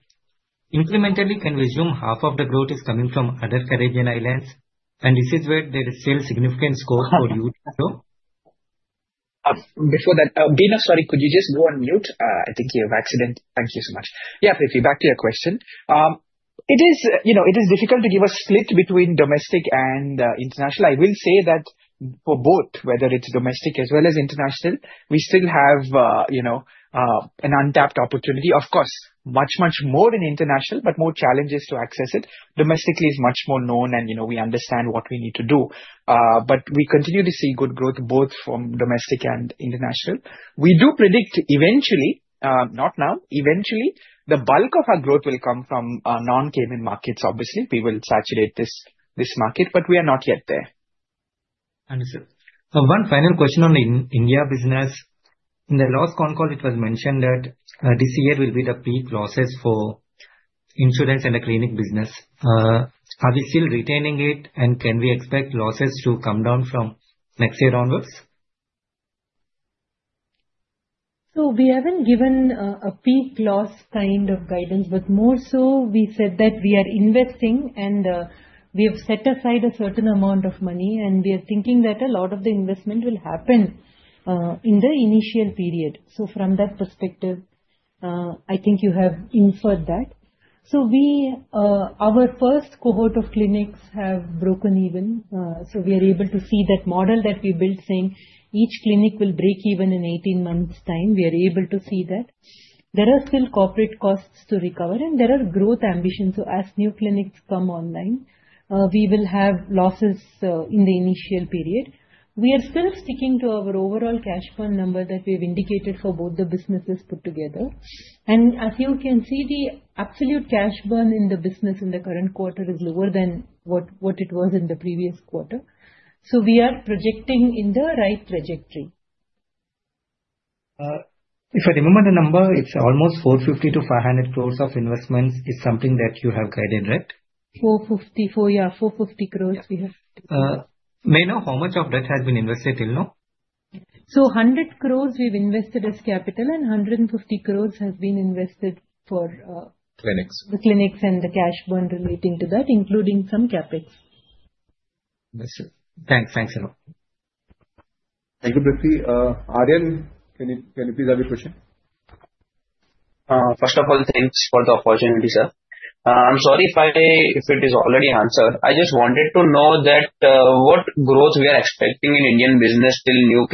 incrementally, can we assume half of the growth is coming from other Caribbean islands? This is where there is still significant scope for you to grow. Before that, Bino, sorry, could you just go on mute? I think you've accidentally. Thank you so much. Yeah, Prithvi, back to your question. It is difficult to give a split between domestic and international. I will say that for both, whether it's domestic as well as international, we still have an untapped opportunity. Of course, much, much more in international, but more challenges to access it. Domestically, it's much more known, and we understand what we need to do. But we continue to see good growth both from domestic and international. We do predict eventually, not now, eventually, the bulk of our growth will come from non-Cayman markets, obviously. We will saturate this market, but we are not yet there. Understood. One final question on the India business. In the last con call, it was mentioned that this year will be the peak losses for Insurance and clinic business. are we still retaining it, and can we expect losses to come down from next year onwards? So we haven't given a peak loss kind of guidance, but more so, we said that we are investing, and we have set aside a certain amount of money, and we are thinking that a lot of the investment will happen in the initial period. From that perspective, I think you have inferred that. Our first cohort of clinics have broken even. We are able to see that model that we built saying each clinic will break even in 18 months' time. We are able to see that. There are still corporate costs to recover, and there are growth ambitions. As new clinics come online, we will have losses in the initial period. We are still sticking to our overall cash burn number that we have indicated for both the businesses put together. And as you can see, the absolute cash burn in the business in the current quarter is lower than what it was in the previous quarter. So we are projecting in the right trajectory. If I remember the number, it's almost 450 crores- 500 crores of investments. It's something that you have guided, right? 450 crores, yeah, 450 crores we have. May I know how much of that has been invested till now? 100 crores we've invested as capital, and 150 crores has been invested for the clinics and the cash burn relating to that, including some CapEx. That's it. Thanks. Thanks a lot. Thank you, Prithvi. Aryan, can you please have your question? First of all, thanks for the opportunity, sir. I'm sorry if it is already answered. I just wanted to know what growth we are expecting in Indian business till new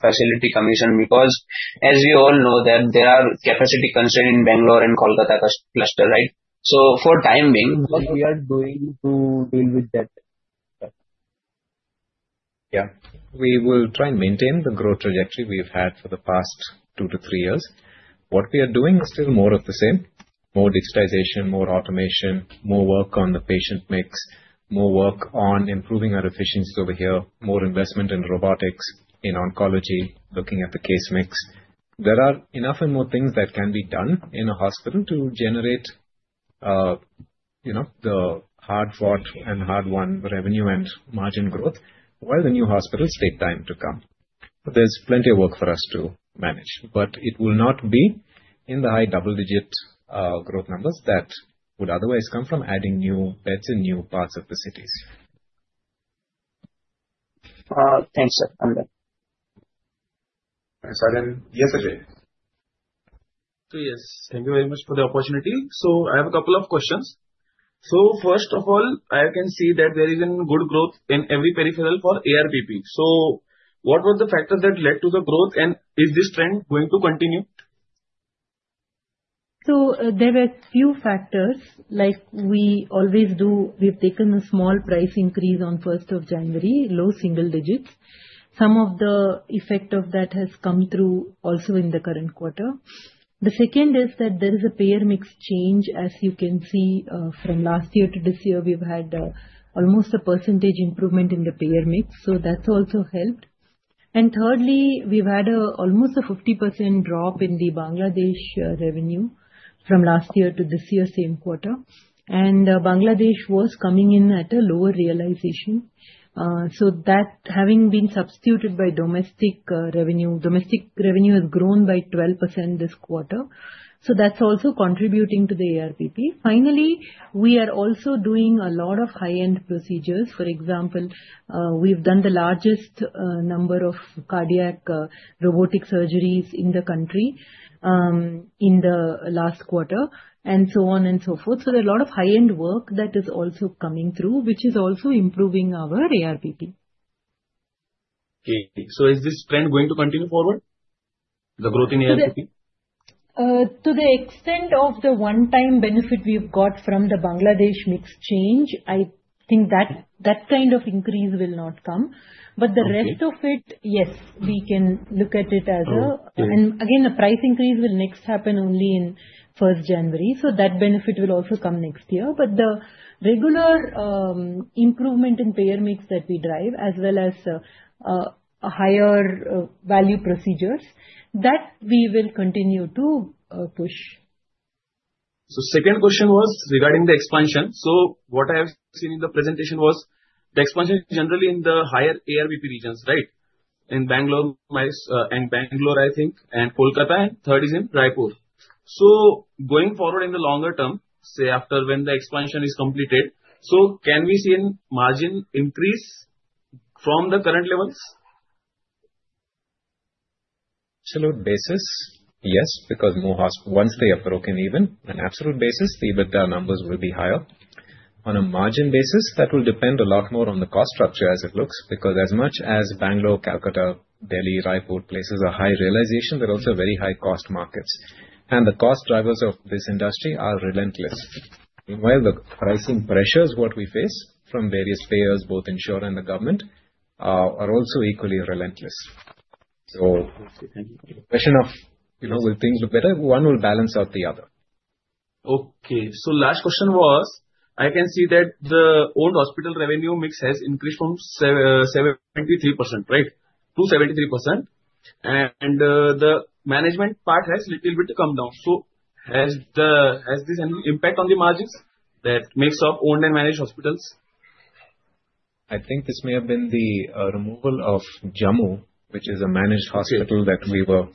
facility commission because, as we all know, there are capacity concerns in Bangalore and Kolkata cluster, right? So, for the time being, what we are doing to deal with that? Yeah. We will try and maintain the growth trajectory we've had for the past two to three years. What we are doing is still more of the same: more digitization, more automation, more work on the patient mix, more work on improving our efficiencies over here, more investment in robotics, in oncology, looking at the case mix. There are enough and more things that can be done in a hospital to generate the hard-fought and hard-won revenue and margin growth while the new hospitals take time to come. There's plenty of work for us to manage, but it will not be in the high double-digit growth numbers that would otherwise come from adding new beds in new parts of the cities. Thanks, sir. I'm done. Thanks, Aryan. Yes, Ajay? So yes. Thank you very much for the opportunity. So I have a couple of questions. So first of all, I can see that there is good growth in every parameter for ARPP. So what were the factors that led to the growth, and is this trend going to continue? So there were a few factors. Like we always do, we've taken a small price increase on 1st of January, low single digits. Some of the effect of that has come through also in the current quarter. The second is that there is a payor mix change. As you can see, from last year to this year, we've had almost a percentage improvement in the payor mix. So that's also helped. And thirdly, we've had almost a 50% drop in the Bangladesh revenue from last year to this year, same quarter. And Bangladesh was coming in at a lower realization. So that having been substituted by domestic revenue, domestic revenue has grown by 12% this quarter. So that's also contributing to the ARPP. Finally, we are also doing a lot of high-end procedures. For example, we've done the largest number of cardiac robotic surgeries in the country in the last quarter, and so on and so forth, so there are a lot of high-end work that is also coming through, which is also improving our ARPP. Okay. So is this trend going to continue forward, the growth in ARPP? To the extent of the one-time benefit we've got from the Bangladesh mix change, I think that kind of increase will not come. But the rest of it, yes, we can look at it as a. And again, the price increase will next happen only in 1st January. So that benefit will also come next year. But the regular improvement in payor mix that we drive, as well as higher value procedures, that we will continue to push. So the second question was regarding the expansion. So what I have seen in the presentation was the expansion generally in the higher ARPP regions, right? In Bangalore, I think, and Kolkata, and third is in Raipur. So going forward in the longer term, say after when the expansion is completed, so can we see a margin increase from the current levels? Absolute basis, yes, because once they have broken even, on absolute basis, the EBITDA numbers will be higher. On a margin basis, that will depend a lot more on the cost structure as it looks because as much as Bangalore, Kolkata, Delhi, Raipur places a high realization, they're also very high-cost markets, and the cost drivers of this industry are relentless. While the pricing pressures, what we face from various payers, both insurer and the government, are also equally relentless, so the question of will things look better? One will balance out the other. Okay. So last question was, I can see that the owned hospital revenue mix has increased to 73%, right, to 73%. And the management part has a little bit come down. So has this any impact on the margins that makes up owned and managed hospitals? I think this may have been the removal of Jammu, which is a managed hospital that we were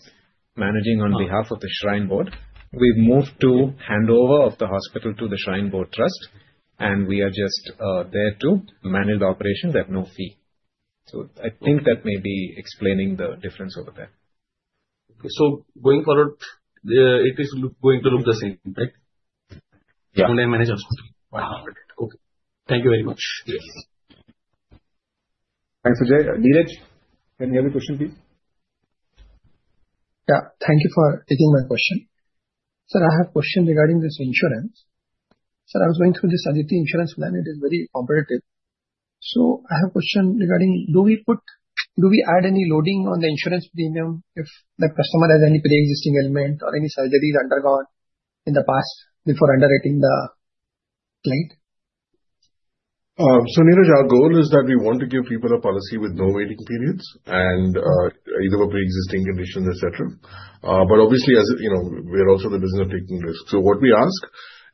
managing on behalf of the Shrine Board. We've moved to handover of the hospital to the Shrine Board Trust, and we are just there to manage the operations at no fee. So I think that may be explaining the difference over there. Okay. So going forward, it is going to look the same, right? Yeah. Owned and managed hospital. Yeah. Right. Right. Okay. Thank you very much. Thanks, Ajay. Neeraj, can you have your question, please? Yeah. Thank you for taking my question. Sir, I have a question regarding this insurance. Sir, I was going through this Aditi insurance plan. It is very competitive. So I have a question regarding, do we add any loading on the insurance premium if the customer has any pre-existing element or any surgeries undergone in the past before underwriting the claim? Neeraj, our goal is that we want to give people a policy with no waiting periods and either pre-existing conditions, etc. But obviously, we're also in the business of taking risks. So what we ask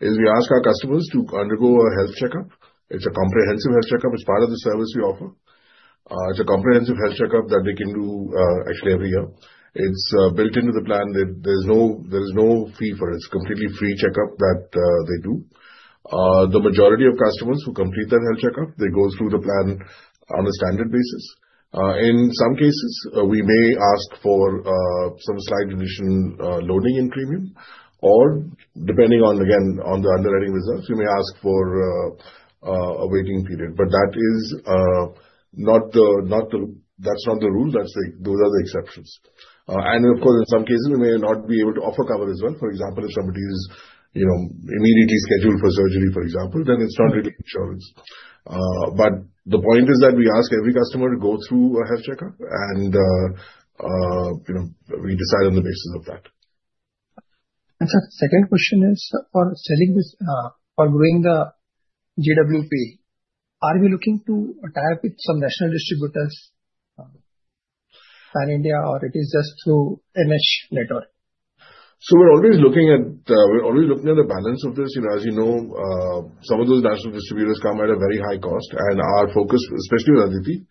is we ask our customers to undergo a health checkup. It's a comprehensive health checkup. It's part of the service we offer. It's a comprehensive health checkup that they can do actually every year. It's built into the plan. There is no fee for it. It's a completely free checkup that they do. The majority of customers who complete that health checkup, they go through the plan on a standard basis. In some cases, we may ask for some slight additional loading in premium or, depending on, again, on the underwriting results, we may ask for a waiting period. But that is not the rule. Those are the exceptions. Of course, in some cases, we may not be able to offer cover as well. For example, if somebody is immediately scheduled for surgery, for example, then it's not really insurance. But the point is that we ask every customer to go through a health checkup, and we decide on the basis of that. And, sir, the second question is, for selling this for growing the GWP, are we looking to tie up with some national distributors in India, or is it just through the NH network? So we're always looking at the balance of this. As you know, some of those national distributors come at a very high cost. And our focus, especially with Aditi,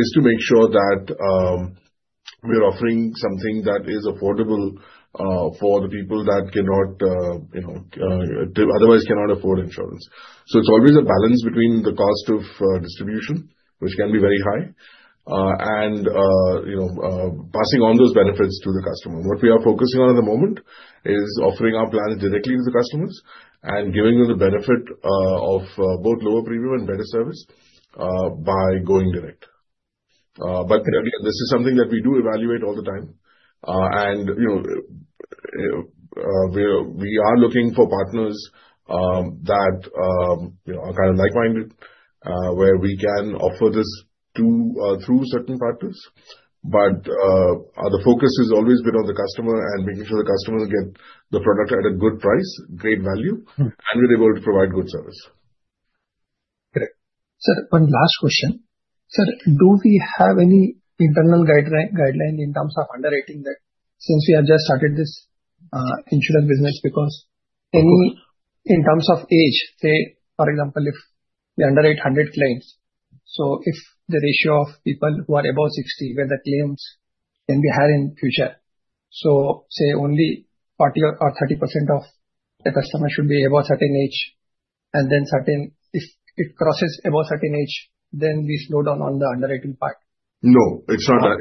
is to make sure that we're offering something that is affordable for the people that otherwise cannot afford insurance. So it's always a balance between the cost of distribution, which can be very high, and passing on those benefits to the customer. What we are focusing on at the moment is offering our plans directly to the customers and giving them the benefit of both lower premium and better service by going direct. But again, this is something that we do evaluate all the time. And we are looking for partners that are kind of like-minded where we can offer this through certain partners. But the focus has always been on the customer and making sure the customers get the product at a good price, great value, and we're able to provide good service. Sir, one last question. Sir, do we have any internal guideline in terms of underwriting that since we have just started this insurance business? Because in terms of age, say, for example, if we underwrite 100 claims, so if the ratio of people who are above 60, whether claims can be higher in future? So say only 40% or 30% of the customers should be above a certain age, and then if it crosses above a certain age, then we slow down on the underwriting part. No, it's not that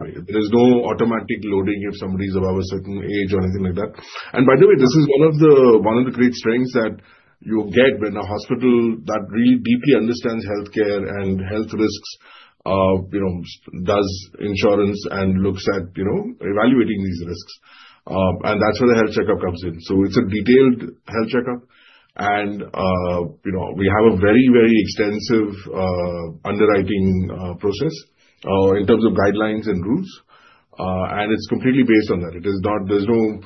way. There is no automatic loading if somebody is above a certain age or anything like that. And by the way, this is one of the great strengths that you get when a hospital that really deeply understands healthcare and health risks does insurance and looks at evaluating these risks. And that's where the health checkup comes in. So it's a detailed health checkup. And we have a very, very extensive underwriting process in terms of guidelines and rules. And it's completely based on that. There's no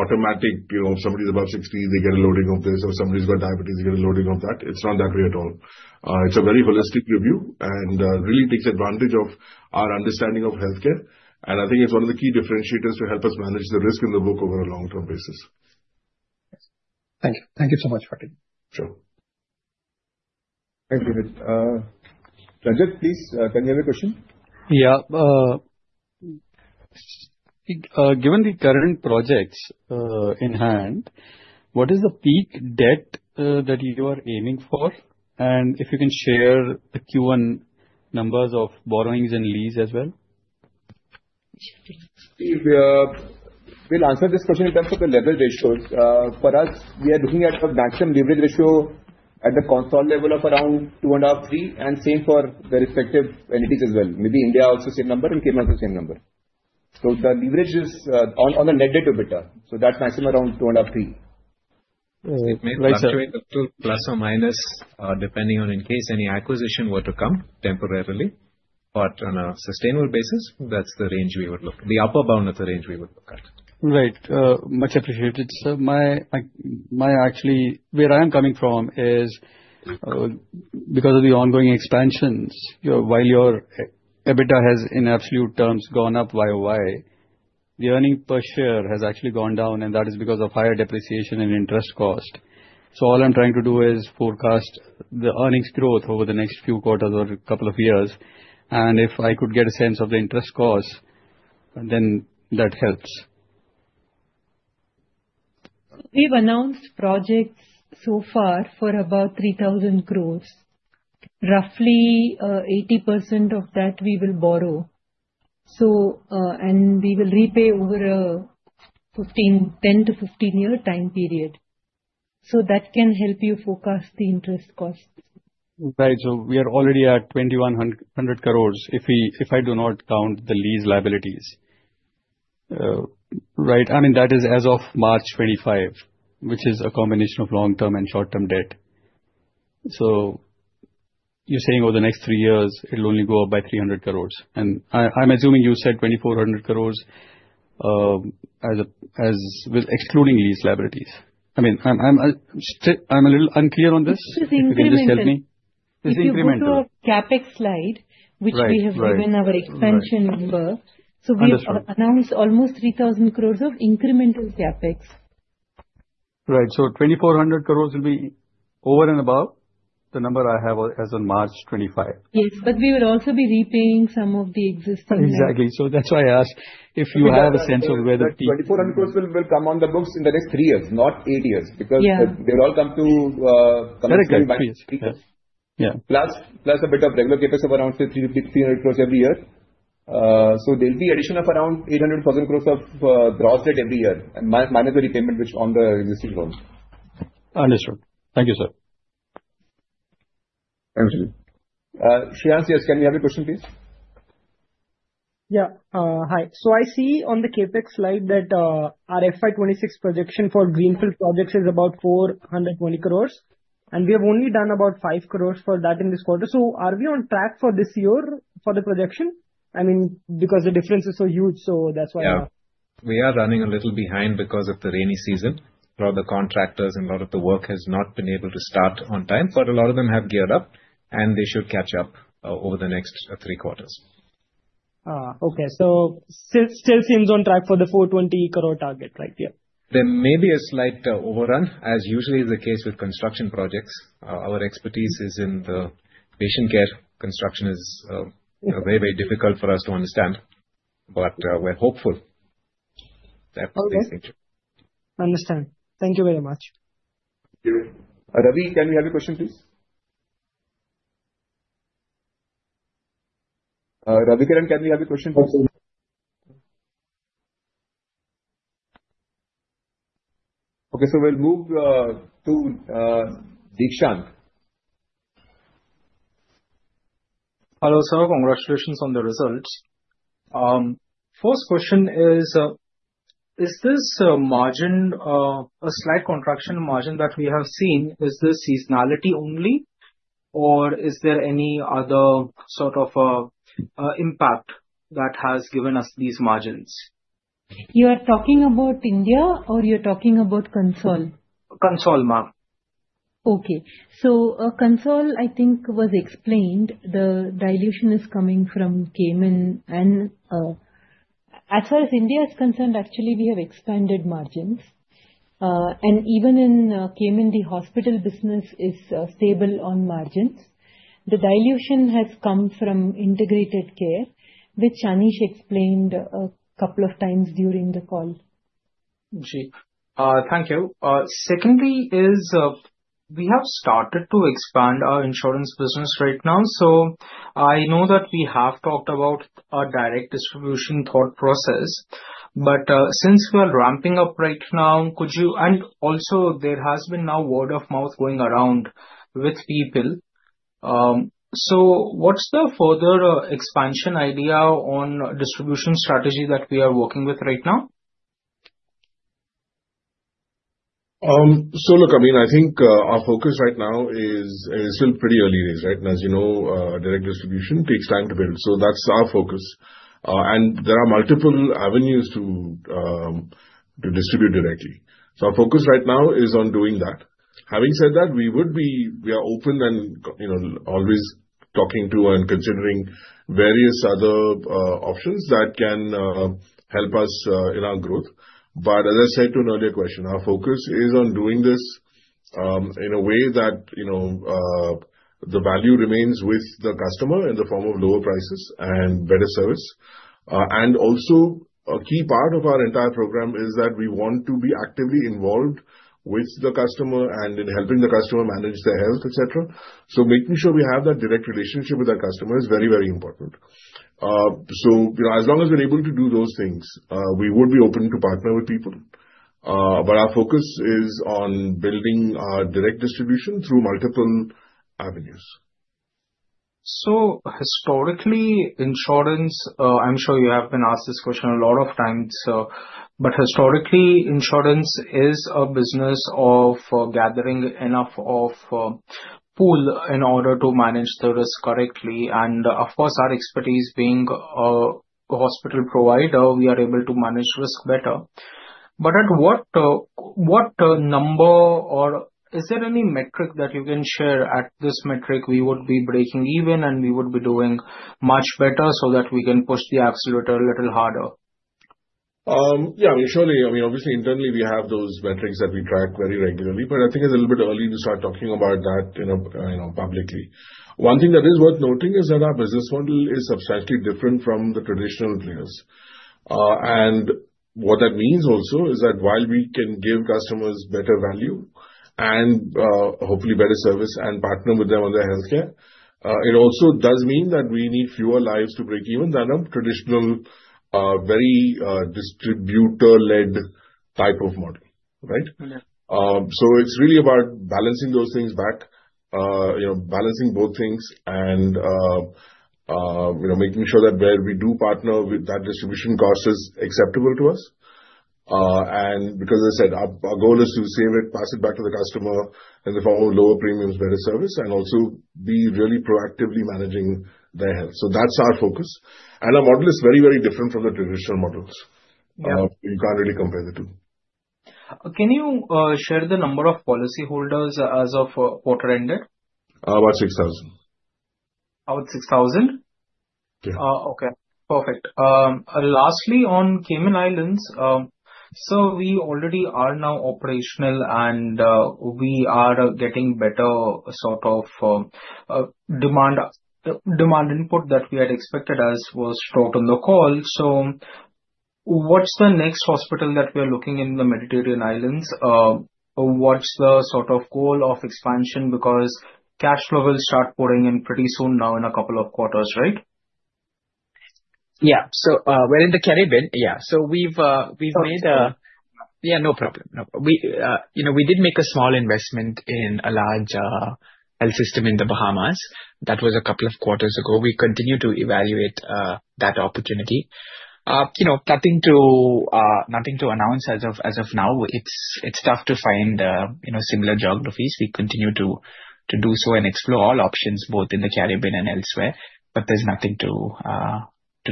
automatic if somebody is above 60, they get a loading of this, or somebody's got diabetes, they get a loading of that. It's not that way at all. It's a very holistic review and really takes advantage of our understanding of healthcare. I think it's one of the key differentiators to help us manage the risk in the book over a long-term basis. Thank you. Thank you so much, Ravi. Sure. Thank you, Neeraj. Rajit, please, can we have your question? Yeah. Given the current projects in hand, what is the peak debt that you are aiming for? And if you can share the Q1 numbers of borrowings and leases as well. We'll answer this question in terms of the leverage ratios. For us, we are looking at a maximum leverage ratio at the consolidated level of around 2.5-3, and same for the respective entities as well. Maybe India also same number and Cayman also same number. So the leverage is on the net debt to EBITDA. So that's maximum around 2.5-3. It may fluctuate up to plus or minus depending on in case any acquisition were to come temporarily, but on a sustainable basis, that's the range we would look. The upper bound of the range we would look at. Right. Much appreciated. So actually, where I am coming from is because of the ongoing expansions, while your EBITDA has in absolute terms gone up YoY, the earnings per share has actually gone down, and that is because of higher depreciation and interest cost. So all I'm trying to do is forecast the earnings growth over the next few quarters or a couple of years. And if I could get a sense of the interest cost, then that helps. We've announced projects so far for about 3,000 crores. Roughly 80% of that we will borrow, and we will repay over a 10- to 15-year time period, so that can help you forecast the interest costs. Right. So we are already at 2,100 crores if I do not count the lease liabilities. Right. I mean, that is as of March 2025, which is a combination of long-term and short-term debt. So you're saying over the next three years, it'll only go up by 300 crores. And I'm assuming you said 2,400 crores excluding lease liabilities. I mean, I'm a little unclear on this. Can you just help me? This is due to a CapEx slide, which we have given our expansion number. So we've announced almost 3,000 crores of incremental CapEx. Right. So 2,400 crores will be over and above the number I have as of March 2025. Yes. But we will also be repaying some of the existing loans. Exactly. So that's why I asked if you have a sense of where the. INR 2,400 crores will come on the books in the next three years, not eight years, because they'll all come to plus a bit of regular CapEx of around 300 crore-350 crore every year. So there'll be an addition of around 800,000 crore of gross debt every year, minus the repayment which is on the existing loan. Understood. Thank you, sir. Thank you. Shreyas, yes, can we have your question, please? Yeah. Hi. So I see on the CapEx slide that our FY 2026 projection for greenfield projects is about 420 crores. And we have only done about 5 crores for that in this quarter. So are we on track for this year for the projection? I mean, because the difference is so huge, so that's why I'm asking. Yeah. We are running a little behind because of the rainy season. A lot of the contractors and a lot of the work has not been able to start on time. But a lot of them have geared up, and they should catch up over the next three quarters. Okay, so still seems on track for the 420 crore target, right? Yeah. There may be a slight overrun, as usually is the case with construction projects. Our expertise is in the patient care. Construction is very, very difficult for us to understand. But we're hopeful. Understand. Thank you very much. Thank you. Ravi, can you have a question, please? Ravikiran, can you have a question, please? Okay, so we'll move to Deekshant. Hello, sir. Congratulations on the results. First question is, is this margin, a slight contraction margin that we have seen, is this seasonality only, or is there any other sort of impact that has given us these margins? You are talking about India, or you're talking about consol? Consol, ma'am. Okay. So consol, I think, was explained. The dilution is coming from Cayman. And as far as India is concerned, actually, we have expanded margins. And even in Cayman, hospital business is stable on margins. The dilution has come from Integrated Care, which Anesh explained a couple of times during the call. Thank you. Secondly, we have started to expand our insurance business right now. So I know that we have talked about a direct distribution thought process. But since we are ramping up right now, and also, there has been now word of mouth going around with people. So what's the further expansion idea on distribution strategy that we are working with right now? So look, I mean, I think our focus right now is still pretty early days, right? And as you know, direct distribution takes time to build. So that's our focus. And there are multiple avenues to distribute directly. So our focus right now is on doing that. Having said that, we are open and always talking to and considering various other options that can help us in our growth. But as I said to an earlier question, our focus is on doing this in a way that the value remains with the customer in the form of lower prices and better service. And also, a key part of our entire program is that we want to be actively involved with the customer and in helping the customer manage their health, etc. So making sure we have that direct relationship with our customer is very, very important. So as long as we're able to do those things, we would be open to partner with people. But our focus is on building direct distribution through multiple avenues. So historically, insurance, I'm sure you have been asked this question a lot of times. But historically, insurance is a business of gathering enough of a pool in order to manage the risk correctly. And of course, our expertise being a hospital provider, we are able to manage risk better. But at what number, or is there any metric that you can share at this metric we would be breaking even, and we would be doing much better so that we can push the absolute a little harder? Yeah. I mean, surely, I mean, obviously, internally, we have those metrics that we track very regularly. But I think it's a little bit early to start talking about that publicly. One thing that is worth noting is that our business model is substantially different from the traditional players. And what that means also is that while we can give customers better value and hopefully better service and partner with them on their healthcare, it also does mean that we need fewer lives to break even than a traditional very distributor-led type of model, right? So it's really about balancing those things back, balancing both things, and making sure that where we do partner, that distribution cost is acceptable to us. And because, as I said, our goal is to save it, pass it back to the customer in the form of lower premiums, better service, and also be really proactively managing their health. So that's our focus. And our model is very, very different from the traditional models. You can't really compare the two. Can you share the number of policyholders as of quarter-ended? About 6,000. About 6,000? Yeah. Okay. Perfect. Lastly, on Cayman Islands, so we already are now operational, and we are getting better sort of demand than we had expected as was told on the call. So what's the next hospital that we are looking in the Mediterranean Islands? What's the sort of goal of expansion? Because cash flow will start pouring in pretty soon now in a couple of quarters, right? Yeah. So we're in the Caribbean. Yeah. So we've made. No problem. Yeah, no problem. We did make a small investment in a large health system in the Bahamas. That was a couple of quarters ago. We continue to evaluate that opportunity. Nothing to announce as of now. It's tough to find similar geographies. We continue to do so and explore all options, both in the Caribbean and elsewhere. But there's nothing to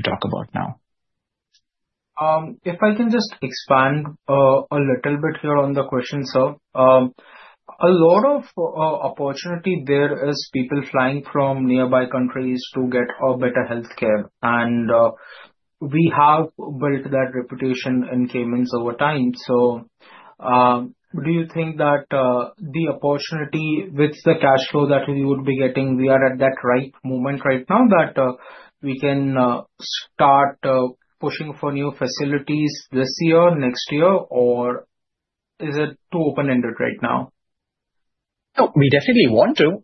talk about now. If I can just expand a little bit here on the question, sir. A lot of opportunity there is people flying from nearby countries to get better healthcare. And we have built that reputation in Caymans over time. So do you think that the opportunity with the cash flow that we would be getting, we are at that right moment right now that we can start pushing for new facilities this year, next year, or is it too open-ended right now? We definitely want to.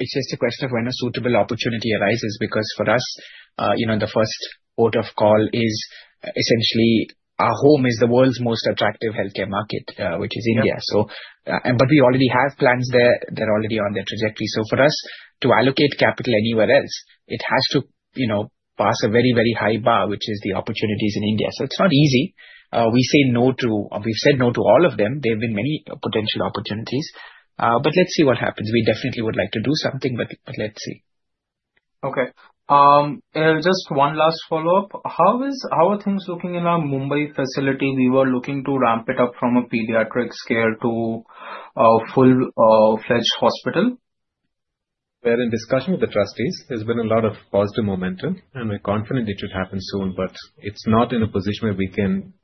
It's just a question of when a suitable opportunity arises, because for us, the first port of call is essentially our home, the world's most attractive healthcare market, which is India. But we already have plans there. They're already on their trajectory. So for us to allocate capital anywhere else, it has to pass a very, very high bar, which is the opportunities in India. So it's not easy. We've said no to all of them. There have been many potential opportunities. But let's see what happens. We definitely would like to do something, but let's see. Okay. Just one last follow-up. How are things looking in our Mumbai facility? We were looking to ramp it up from a pediatric scale to a full-fledged hospital. We're in discussion with the trustees. There's been a lot of positive momentum, and we're confident it should happen soon, but it's not in a position where we can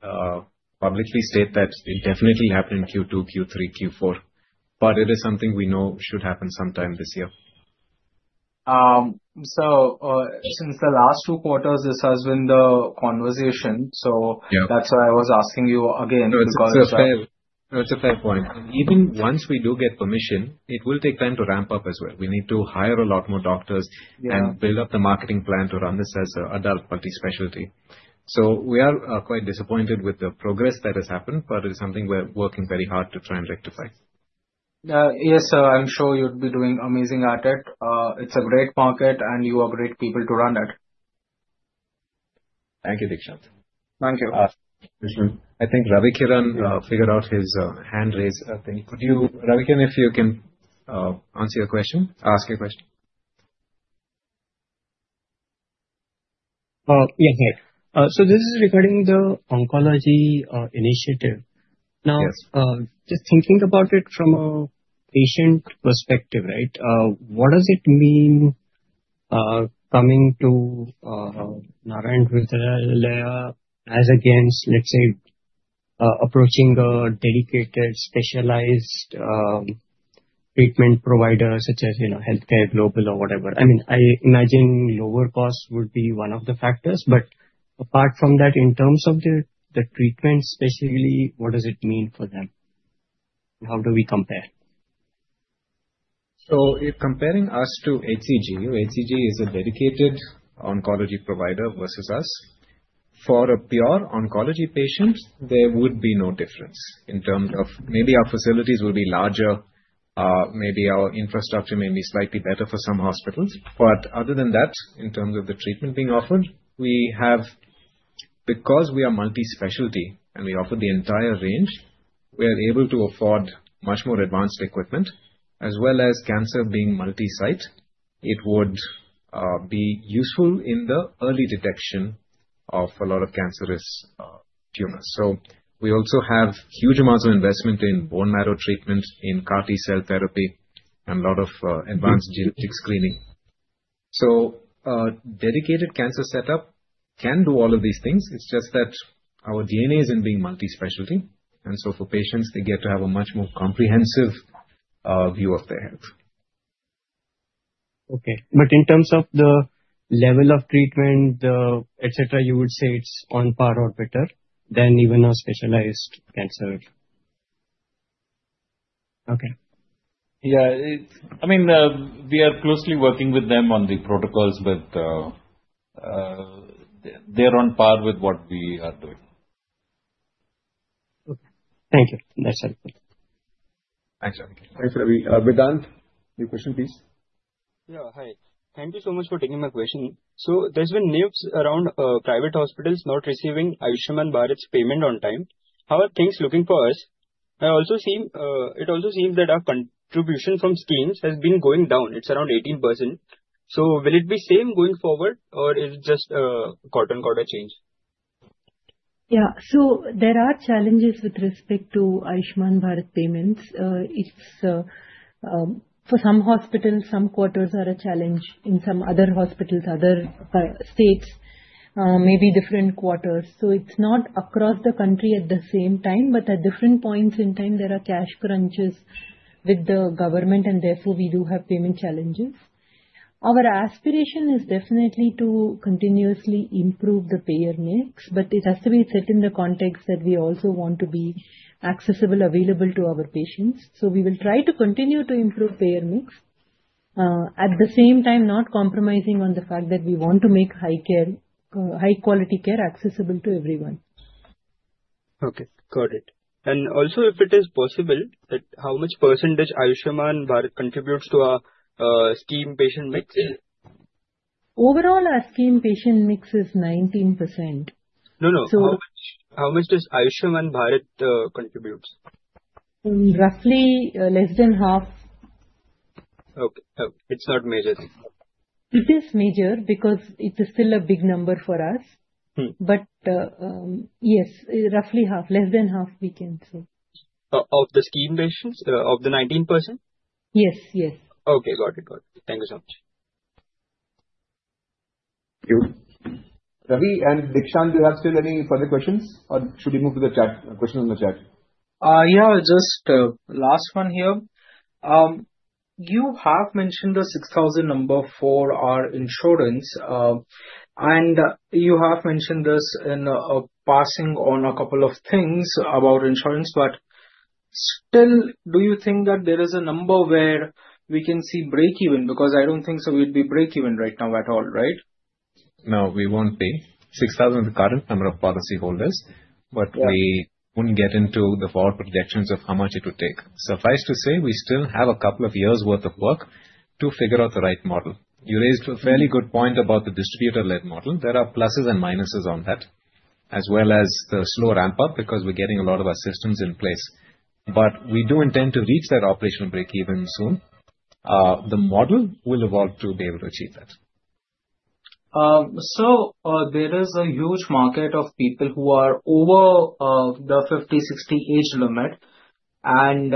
publicly state that it definitely happened in Q2, Q3, Q4, but it is something we know should happen sometime this year. So since the last two quarters, this has been the conversation. So that's why I was asking you again because of that. It's a fair point. Even once we do get permission, it will take time to ramp up as well. We need to hire a lot more doctors and build up the marketing plan to run this as an adult multi-specialty. So we are quite disappointed with the progress that has happened, but it is something we're working very hard to try and rectify. Yes, sir. I'm sure you'd be doing amazing at it. It's a great market, and you are great people to run it. Thank you, Deekshant. Thank you. I think Ravikiran figured out his hand raise thing. Ravikiran, if you can answer your question, ask your question. Yes, sir, so this is regarding the oncology initiative. Now, just thinking about it from a patient perspective, right? What does it mean coming to Narayana Hrudayalaya as against, let's say, approaching a dedicated specialized treatment provider such as Healthcare Global or whatever? I mean, I imagine lower cost would be one of the factors. But apart from that, in terms of the treatment, specifically, what does it mean for them? How do we compare? If comparing us to HCG, HCG is a dedicated oncology provider versus us. For a pure oncology patient, there would be no difference in terms of maybe our facilities will be larger. Maybe our infrastructure may be slightly better for some hospitals. But other than that, in terms of the treatment being offered, because we are multi-specialty and we offer the entire range, we are able to afford much more advanced equipment. As well as cancer being multi-site, it would be useful in the early detection of a lot of cancerous tumors. We also have huge amounts of investment in bone marrow treatment, in CAR T-cell therapy, and a lot of advanced genetic screening. Dedicated cancer setup can do all of these things. It's just that our DNA is in being multi-specialty. And so for patients, they get to have a much more comprehensive view of their health. Okay. But in terms of the level of treatment, etc., you would say it's on par or better than even a specialized cancer? Okay. Yeah. I mean, we are closely working with them on the protocols, but they're on par with what we are doing. Okay. Thank you. That's helpful. Thanks, Ravikiran. Vedant, your question, please. Yeah. Hi. Thank you so much for taking my question. So there's been news around private hospitals not receiving Ayushman Bharat's payment on time. How are things looking for us? It also seems that our contribution from schemes has been going down. It's around 18%. So will it be same going forward, or is it just a quarter-on-quarter change? Yeah. So there are challenges with respect to Ayushman Bharat payments. For some hospitals, some quarters are a challenge. In some other hospitals, other states, maybe different quarters. So it's not across the country at the same time, but at different points in time, there are cash crunches with the government, and therefore, we do have payment challenges. Our aspiration is definitely to continuously improve the payer mix, but it has to be set in the context that we also want to be accessible, available to our patients. So we will try to continue to improve payer mix, at the same time not compromising on the fact that we want to make high-quality care accessible to everyone. Okay. Got it. And also, if it is possible, how much percentage Ayushman Bharat contributes to our scheme patient mix? Overall, our scheme patient mix is 19%. No, no. How much does Ayushman Bharat contribute? Roughly less than half. Okay. It's not major. It is major because it is still a big number for us. But yes, roughly half, less than half, we can say. Of the scheme patients? Of the 19%? Yes, yes. Okay. Got it. Got it. Thank you so much. Thank you. Ravi and Deekshant, do you have still any further questions, or should we move to the chat, questions on the chat? Yeah. Just last one here. You have mentioned the 6,000 number for our insurance, and you have mentioned this in passing on a couple of things about insurance. But still, do you think that there is a number where we can see break-even? Because I don't think so we'd be break-even right now at all, right? No, we won't be. 6,000 is the current number of policyholders, but we wouldn't get into the forward projections of how much it would take. Suffice to say, we still have a couple of years' worth of work to figure out the right model. You raised a fairly good point about the distributor-led model. There are pluses and minuses on that, as well as the slow ramp-up because we're getting a lot of our systems in place. But we do intend to reach that operational break-even soon. The model will evolve to be able to achieve that. So there is a huge market of people who are over the 50, 60 age limit. And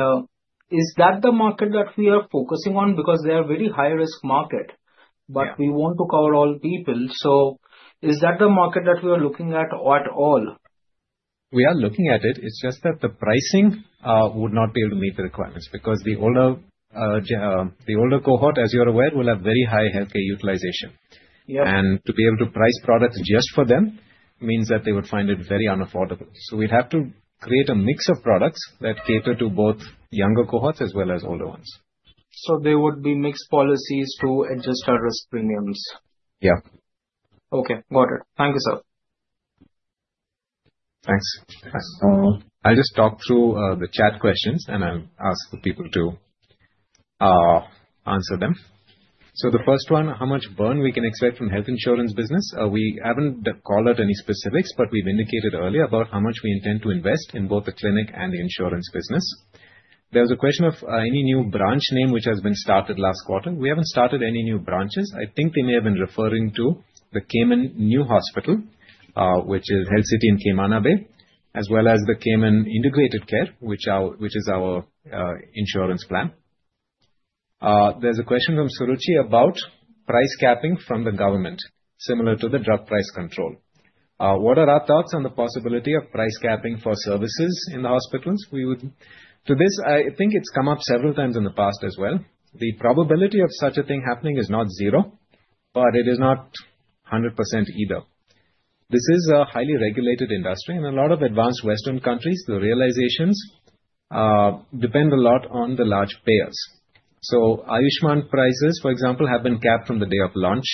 is that the market that we are focusing on? Because they are a very high-risk market, but we want to cover all people. So is that the market that we are looking at at all? We are looking at it. It's just that the pricing would not be able to meet the requirements because the older cohort, as you're aware, will have very high healthcare utilization, and to be able to price products just for them means that they would find it very unaffordable, so we'd have to create a mix of products that cater to both younger cohorts as well as older ones. So there would be mixed policies to adjust our risk premiums? Yeah. Okay. Got it. Thank you, sir. Thanks. I'll just talk through the chat questions, and I'll ask the people to answer them. So the first one, how much burn we can expect from health insurance business? We haven't called out any specifics, but we've indicated earlier about how much we intend to invest in both the clinic and the insurance business. There was a question of any new branch name which has been started last quarter. We haven't started any new branches. I think they may have been referring to the Cayman New Hospital, which is Health City in Camana Bay, as well as the Cayman Integrated Care, which is our insurance plan. There's a question from Suruchi about price capping from the government, similar to the drug price control. What are our thoughts on the possibility of price capping for services in the hospitals? To this, I think it's come up several times in the past as well. The probability of such a thing happening is not zero, but it is not 100% either. This is a highly regulated industry, and a lot of advanced Western countries, the realizations depend a lot on the large payers. So Ayushman prices, for example, have been capped from the day of launch.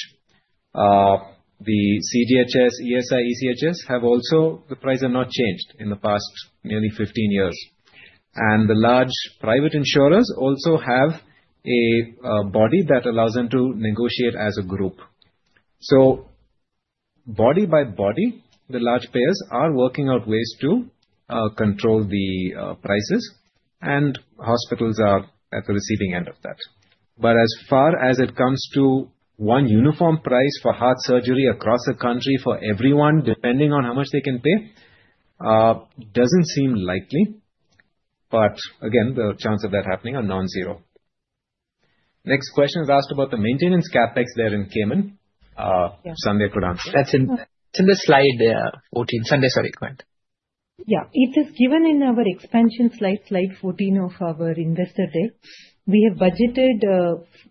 The CGHS, ESI, ECHS have also. The prices have not changed in the past nearly 15 years. And the large private insurers also have a body that allows them to negotiate as a group. So body by body, the large payers are working out ways to control the prices, and hospitals are at the receiving end of that. But as far as it comes to one uniform price for heart surgery across a country for everyone, depending on how much they can pay, doesn't seem likely. But again, the chance of that happening is non-zero. Next question is asked about the maintenance CapEx there in Cayman. Sandhya could answer. That's in the slide 14. Sandhya, sorry. Go ahead. Yeah. It is given in our expansion slide, slide 14 of our investor deck. We have budgeted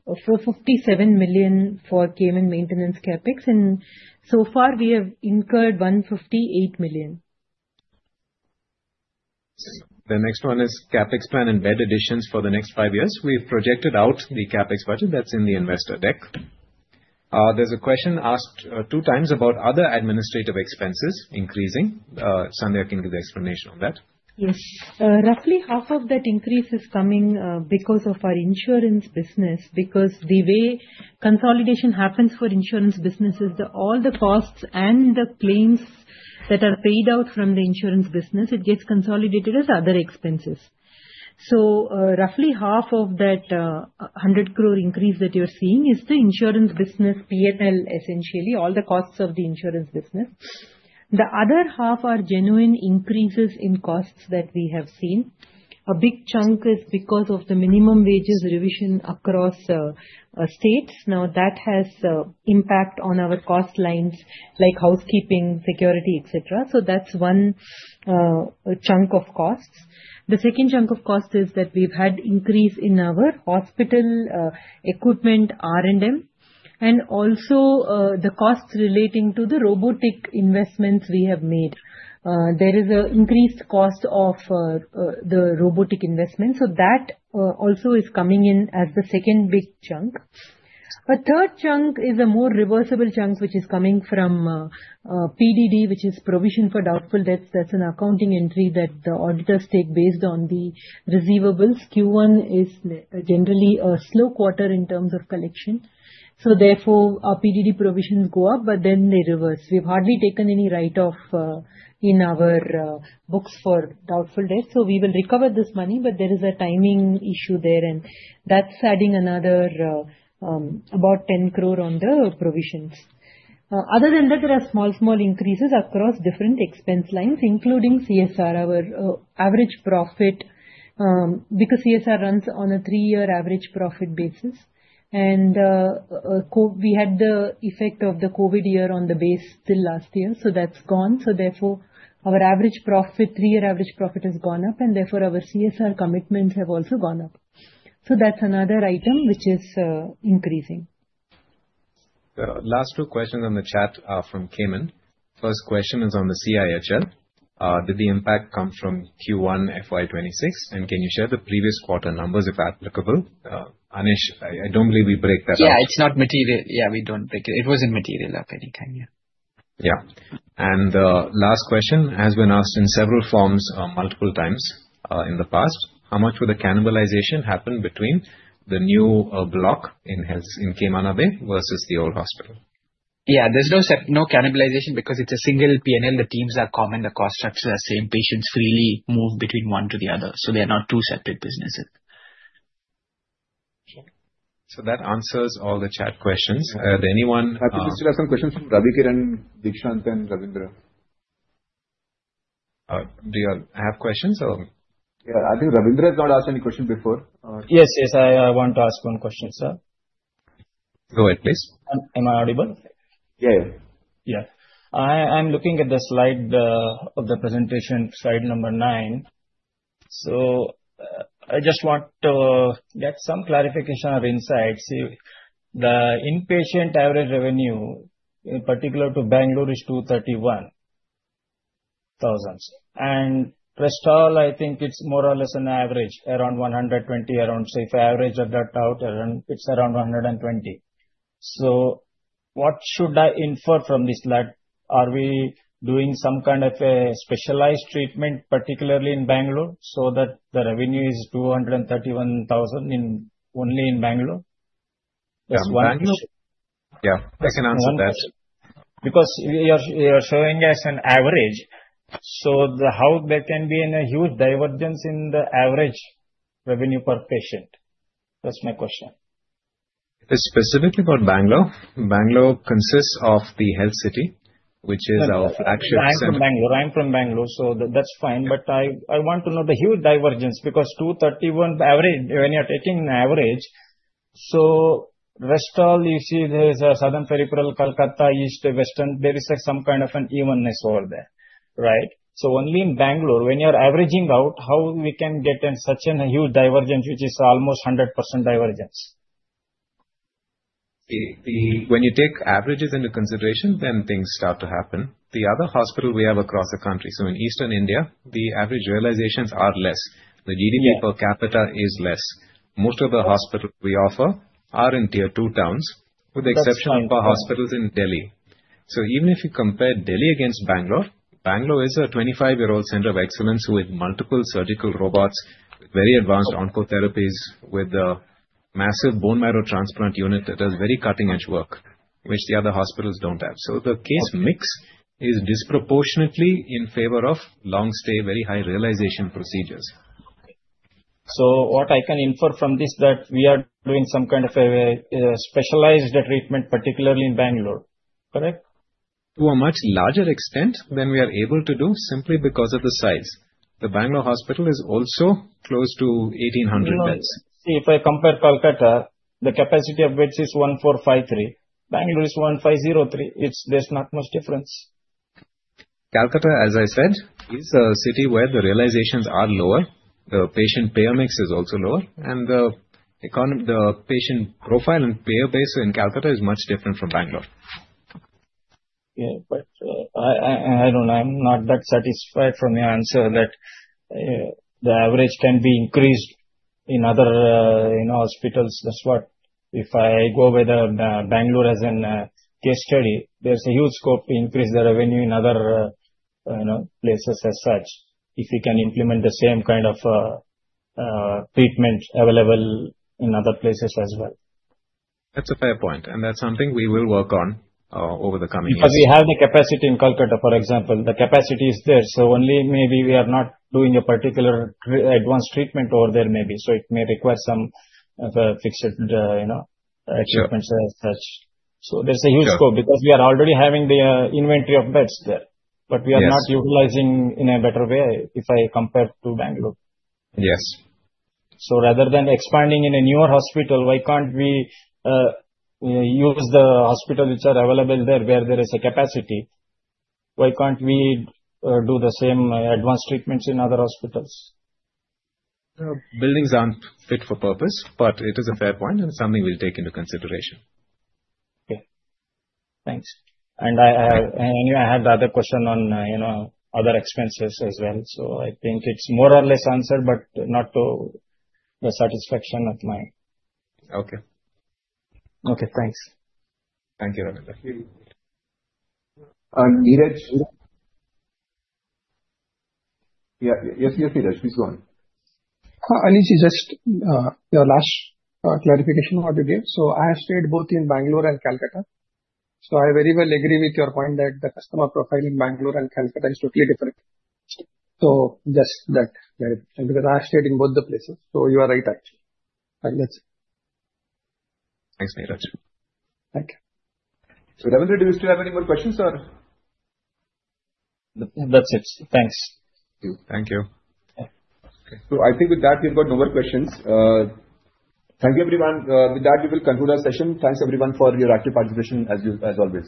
457 million for Cayman maintenance CapEx. And so far, we have incurred 158 million. The next one is CapEx plan and bed additions for the next five years. We've projected out the CapEx budget that's in the investor deck. There's a question asked two times about other administrative expenses increasing. Sandhya can give the explanation on that. Yes. Roughly half of that increase is coming because of our insurance business. Because the way consolidation happens for insurance businesses, all the costs and the claims that are paid out from the insurance business, it gets consolidated as other expenses. So roughly half of that 100 crore increase that you're seeing is the insurance business P&L, essentially, all the costs of the insurance business. The other half are genuine increases in costs that we have seen. A big chunk is because of the minimum wages revision across states. Now, that has an impact on our cost lines like housekeeping, security, etc. So that's one chunk of costs. The second chunk of cost is that we've had an increase in our hospital equipment R&M. And also, the costs relating to the robotic investments we have made. There is an increased cost of the robotic investment. That also is coming in as the second big chunk. A third chunk is a more reversible chunk, which is coming from PDD, which is provision for doubtful debts. That's an accounting entry that the auditors take based on the receivables. Q1 is generally a slow quarter in terms of collection. So therefore, our PDD provisions go up, but then they reverse. We've hardly taken any write-off in our books for doubtful debts. So we will recover this money, but there is a timing issue there. And that's adding another about 10 crore on the provisions. Other than that, there are small, small increases across different expense lines, including CSR, our average profit, because CSR runs on a three-year average profit basis. And we had the effect of the COVID year on the base till last year. So that's gone. So therefore, our average profit, three-year average profit has gone up. And therefore, our CSR commitments have also gone up. So that's another item which is increasing. Last two questions on the chat are on Cayman. First question is on the CIHL. Did the impact come from Q1 FY 2026? And can you share the previous quarter numbers if applicable? Anesh, I don't believe we break that up. Yeah. It's not material. Yeah, we don't break it. It wasn't material up anytime. Yeah. Yeah, and the last question has been asked in several forms multiple times in the past. How much would the cannibalization happen between the new block in Camana Bay versus the old hospital? Yeah. There's no cannibalization because it's a single P&L. The teams are common. The cost structure is the same. Patients freely move between one to the other. So they are not two separate businesses. So that answers all the chat questions. Did anyone? I think we still have some questions from Ravikiran, Deekshant, and Ravindra. Do you have questions? Yeah. I think Ravindra has not asked any question before. Yes, yes. I want to ask one question, sir. Go ahead, please. Am I audible? Yeah, yeah. Yeah. I'm looking at the slide of the presentation, slide number nine. So I just want to get some clarification of insights. The inpatient average revenue, in particular to Bangalore, is 231,000. And rest all, I think it's more or less an average, around 120,000. So if I average that out, it's around 120,000. So what should I infer from this? Are we doing some kind of a specialized treatment, particularly in Bangalore, so that the revenue is 231,000 only in Bangalore? Yeah. I can answer that. Because you're showing us an average. So how there can be a huge divergence in the average revenue per patient? That's my question. It's specifically for Bangalore. Bangalore consists of the Health City, which is our flagship center. I'm from Bangalore. I'm from Bangalore, so that's fine, but I want to know the huge divergence because 231 average, when you're taking an average, so hospital, you see there's a Southern Peripheral, Kolkata, East, Western. There is some kind of an evenness over there, right, so only in Bangalore, when you're averaging out, how we can get such a huge divergence, which is almost 100% divergence? When you take averages into consideration, then things start to happen. The other hospital we have across the country, so in Eastern India, the average realizations are less. The GDP per capita is less. Most of the hospitals we offer are in tier two towns, with the exception of our hospitals in Delhi. So even if you compare Delhi against Bangalore, Bangalore is a 25-year-old center of excellence with multiple surgical robots, very advanced oncotherapies, with a massive bone marrow transplant unit that does very cutting-edge work, which the other hospitals don't have. So the case mix is disproportionately in favor of long-stay, very high realization procedures. So what I can infer from this, that we are doing some kind of a specialized treatment, particularly in Bangalore, correct? To a much larger extent than we are able to do simply because of the size. The Bangalore hospital is also close to 1,800 beds. See, if I compare Kolkata, the capacity of beds is 1453. Bangalore is 1503. There's not much difference. Kolkata, as I said, is a city where the realizations are lower. The patient payer mix is also lower. And the patient profile and payer base in Kolkata is much different from Bangalore. Yeah. But I don't know. I'm not that satisfied from your answer that the average can be increased in other hospitals. That's what if I go with Bangalore as a case study, there's a huge scope to increase the revenue in other places as such, if you can implement the same kind of treatment available in other places as well. That's a fair point. And that's something we will work on over the coming years. Because we have the capacity in Kolkata, for example. The capacity is there. So only maybe we are not doing a particular advanced treatment over there maybe. So it may require some fixed treatments as such. So there's a huge scope because we are already having the inventory of beds there. But we are not utilizing in a better way if I compare to Bangalore. Yes. So rather than expanding in a newer hospital, why can't we use the hospitals which are available there where there is a capacity? Why can't we do the same advanced treatments in other hospitals? Buildings aren't fit for purpose, but it is a fair point and something we'll take into consideration. Okay. Thanks. And I have the other question on other expenses as well. So I think it's more or less answered, but not to the satisfaction of my. Okay. Okay. Thanks. Thank you, Ravindra. Neeraj. Yeah. Yes, yes, Neeraj. Please go on. Anesh, just your last clarification on what you gave. So I have stayed both in Bangalore and Kolkata. So I very well agree with your point that the customer profile in Bangalore and Calcutta is totally different. So just that clarification because I have stayed in both the places. So you are right, actually. That's it. Thanks, Neeraj. So, Ravindra, do you still have any more questions, or? That's it. Thanks. Thank you. So I think with that, we've got no more questions. Thank you, everyone. With that, we will conclude our session. Thanks, everyone, for your active participation as well.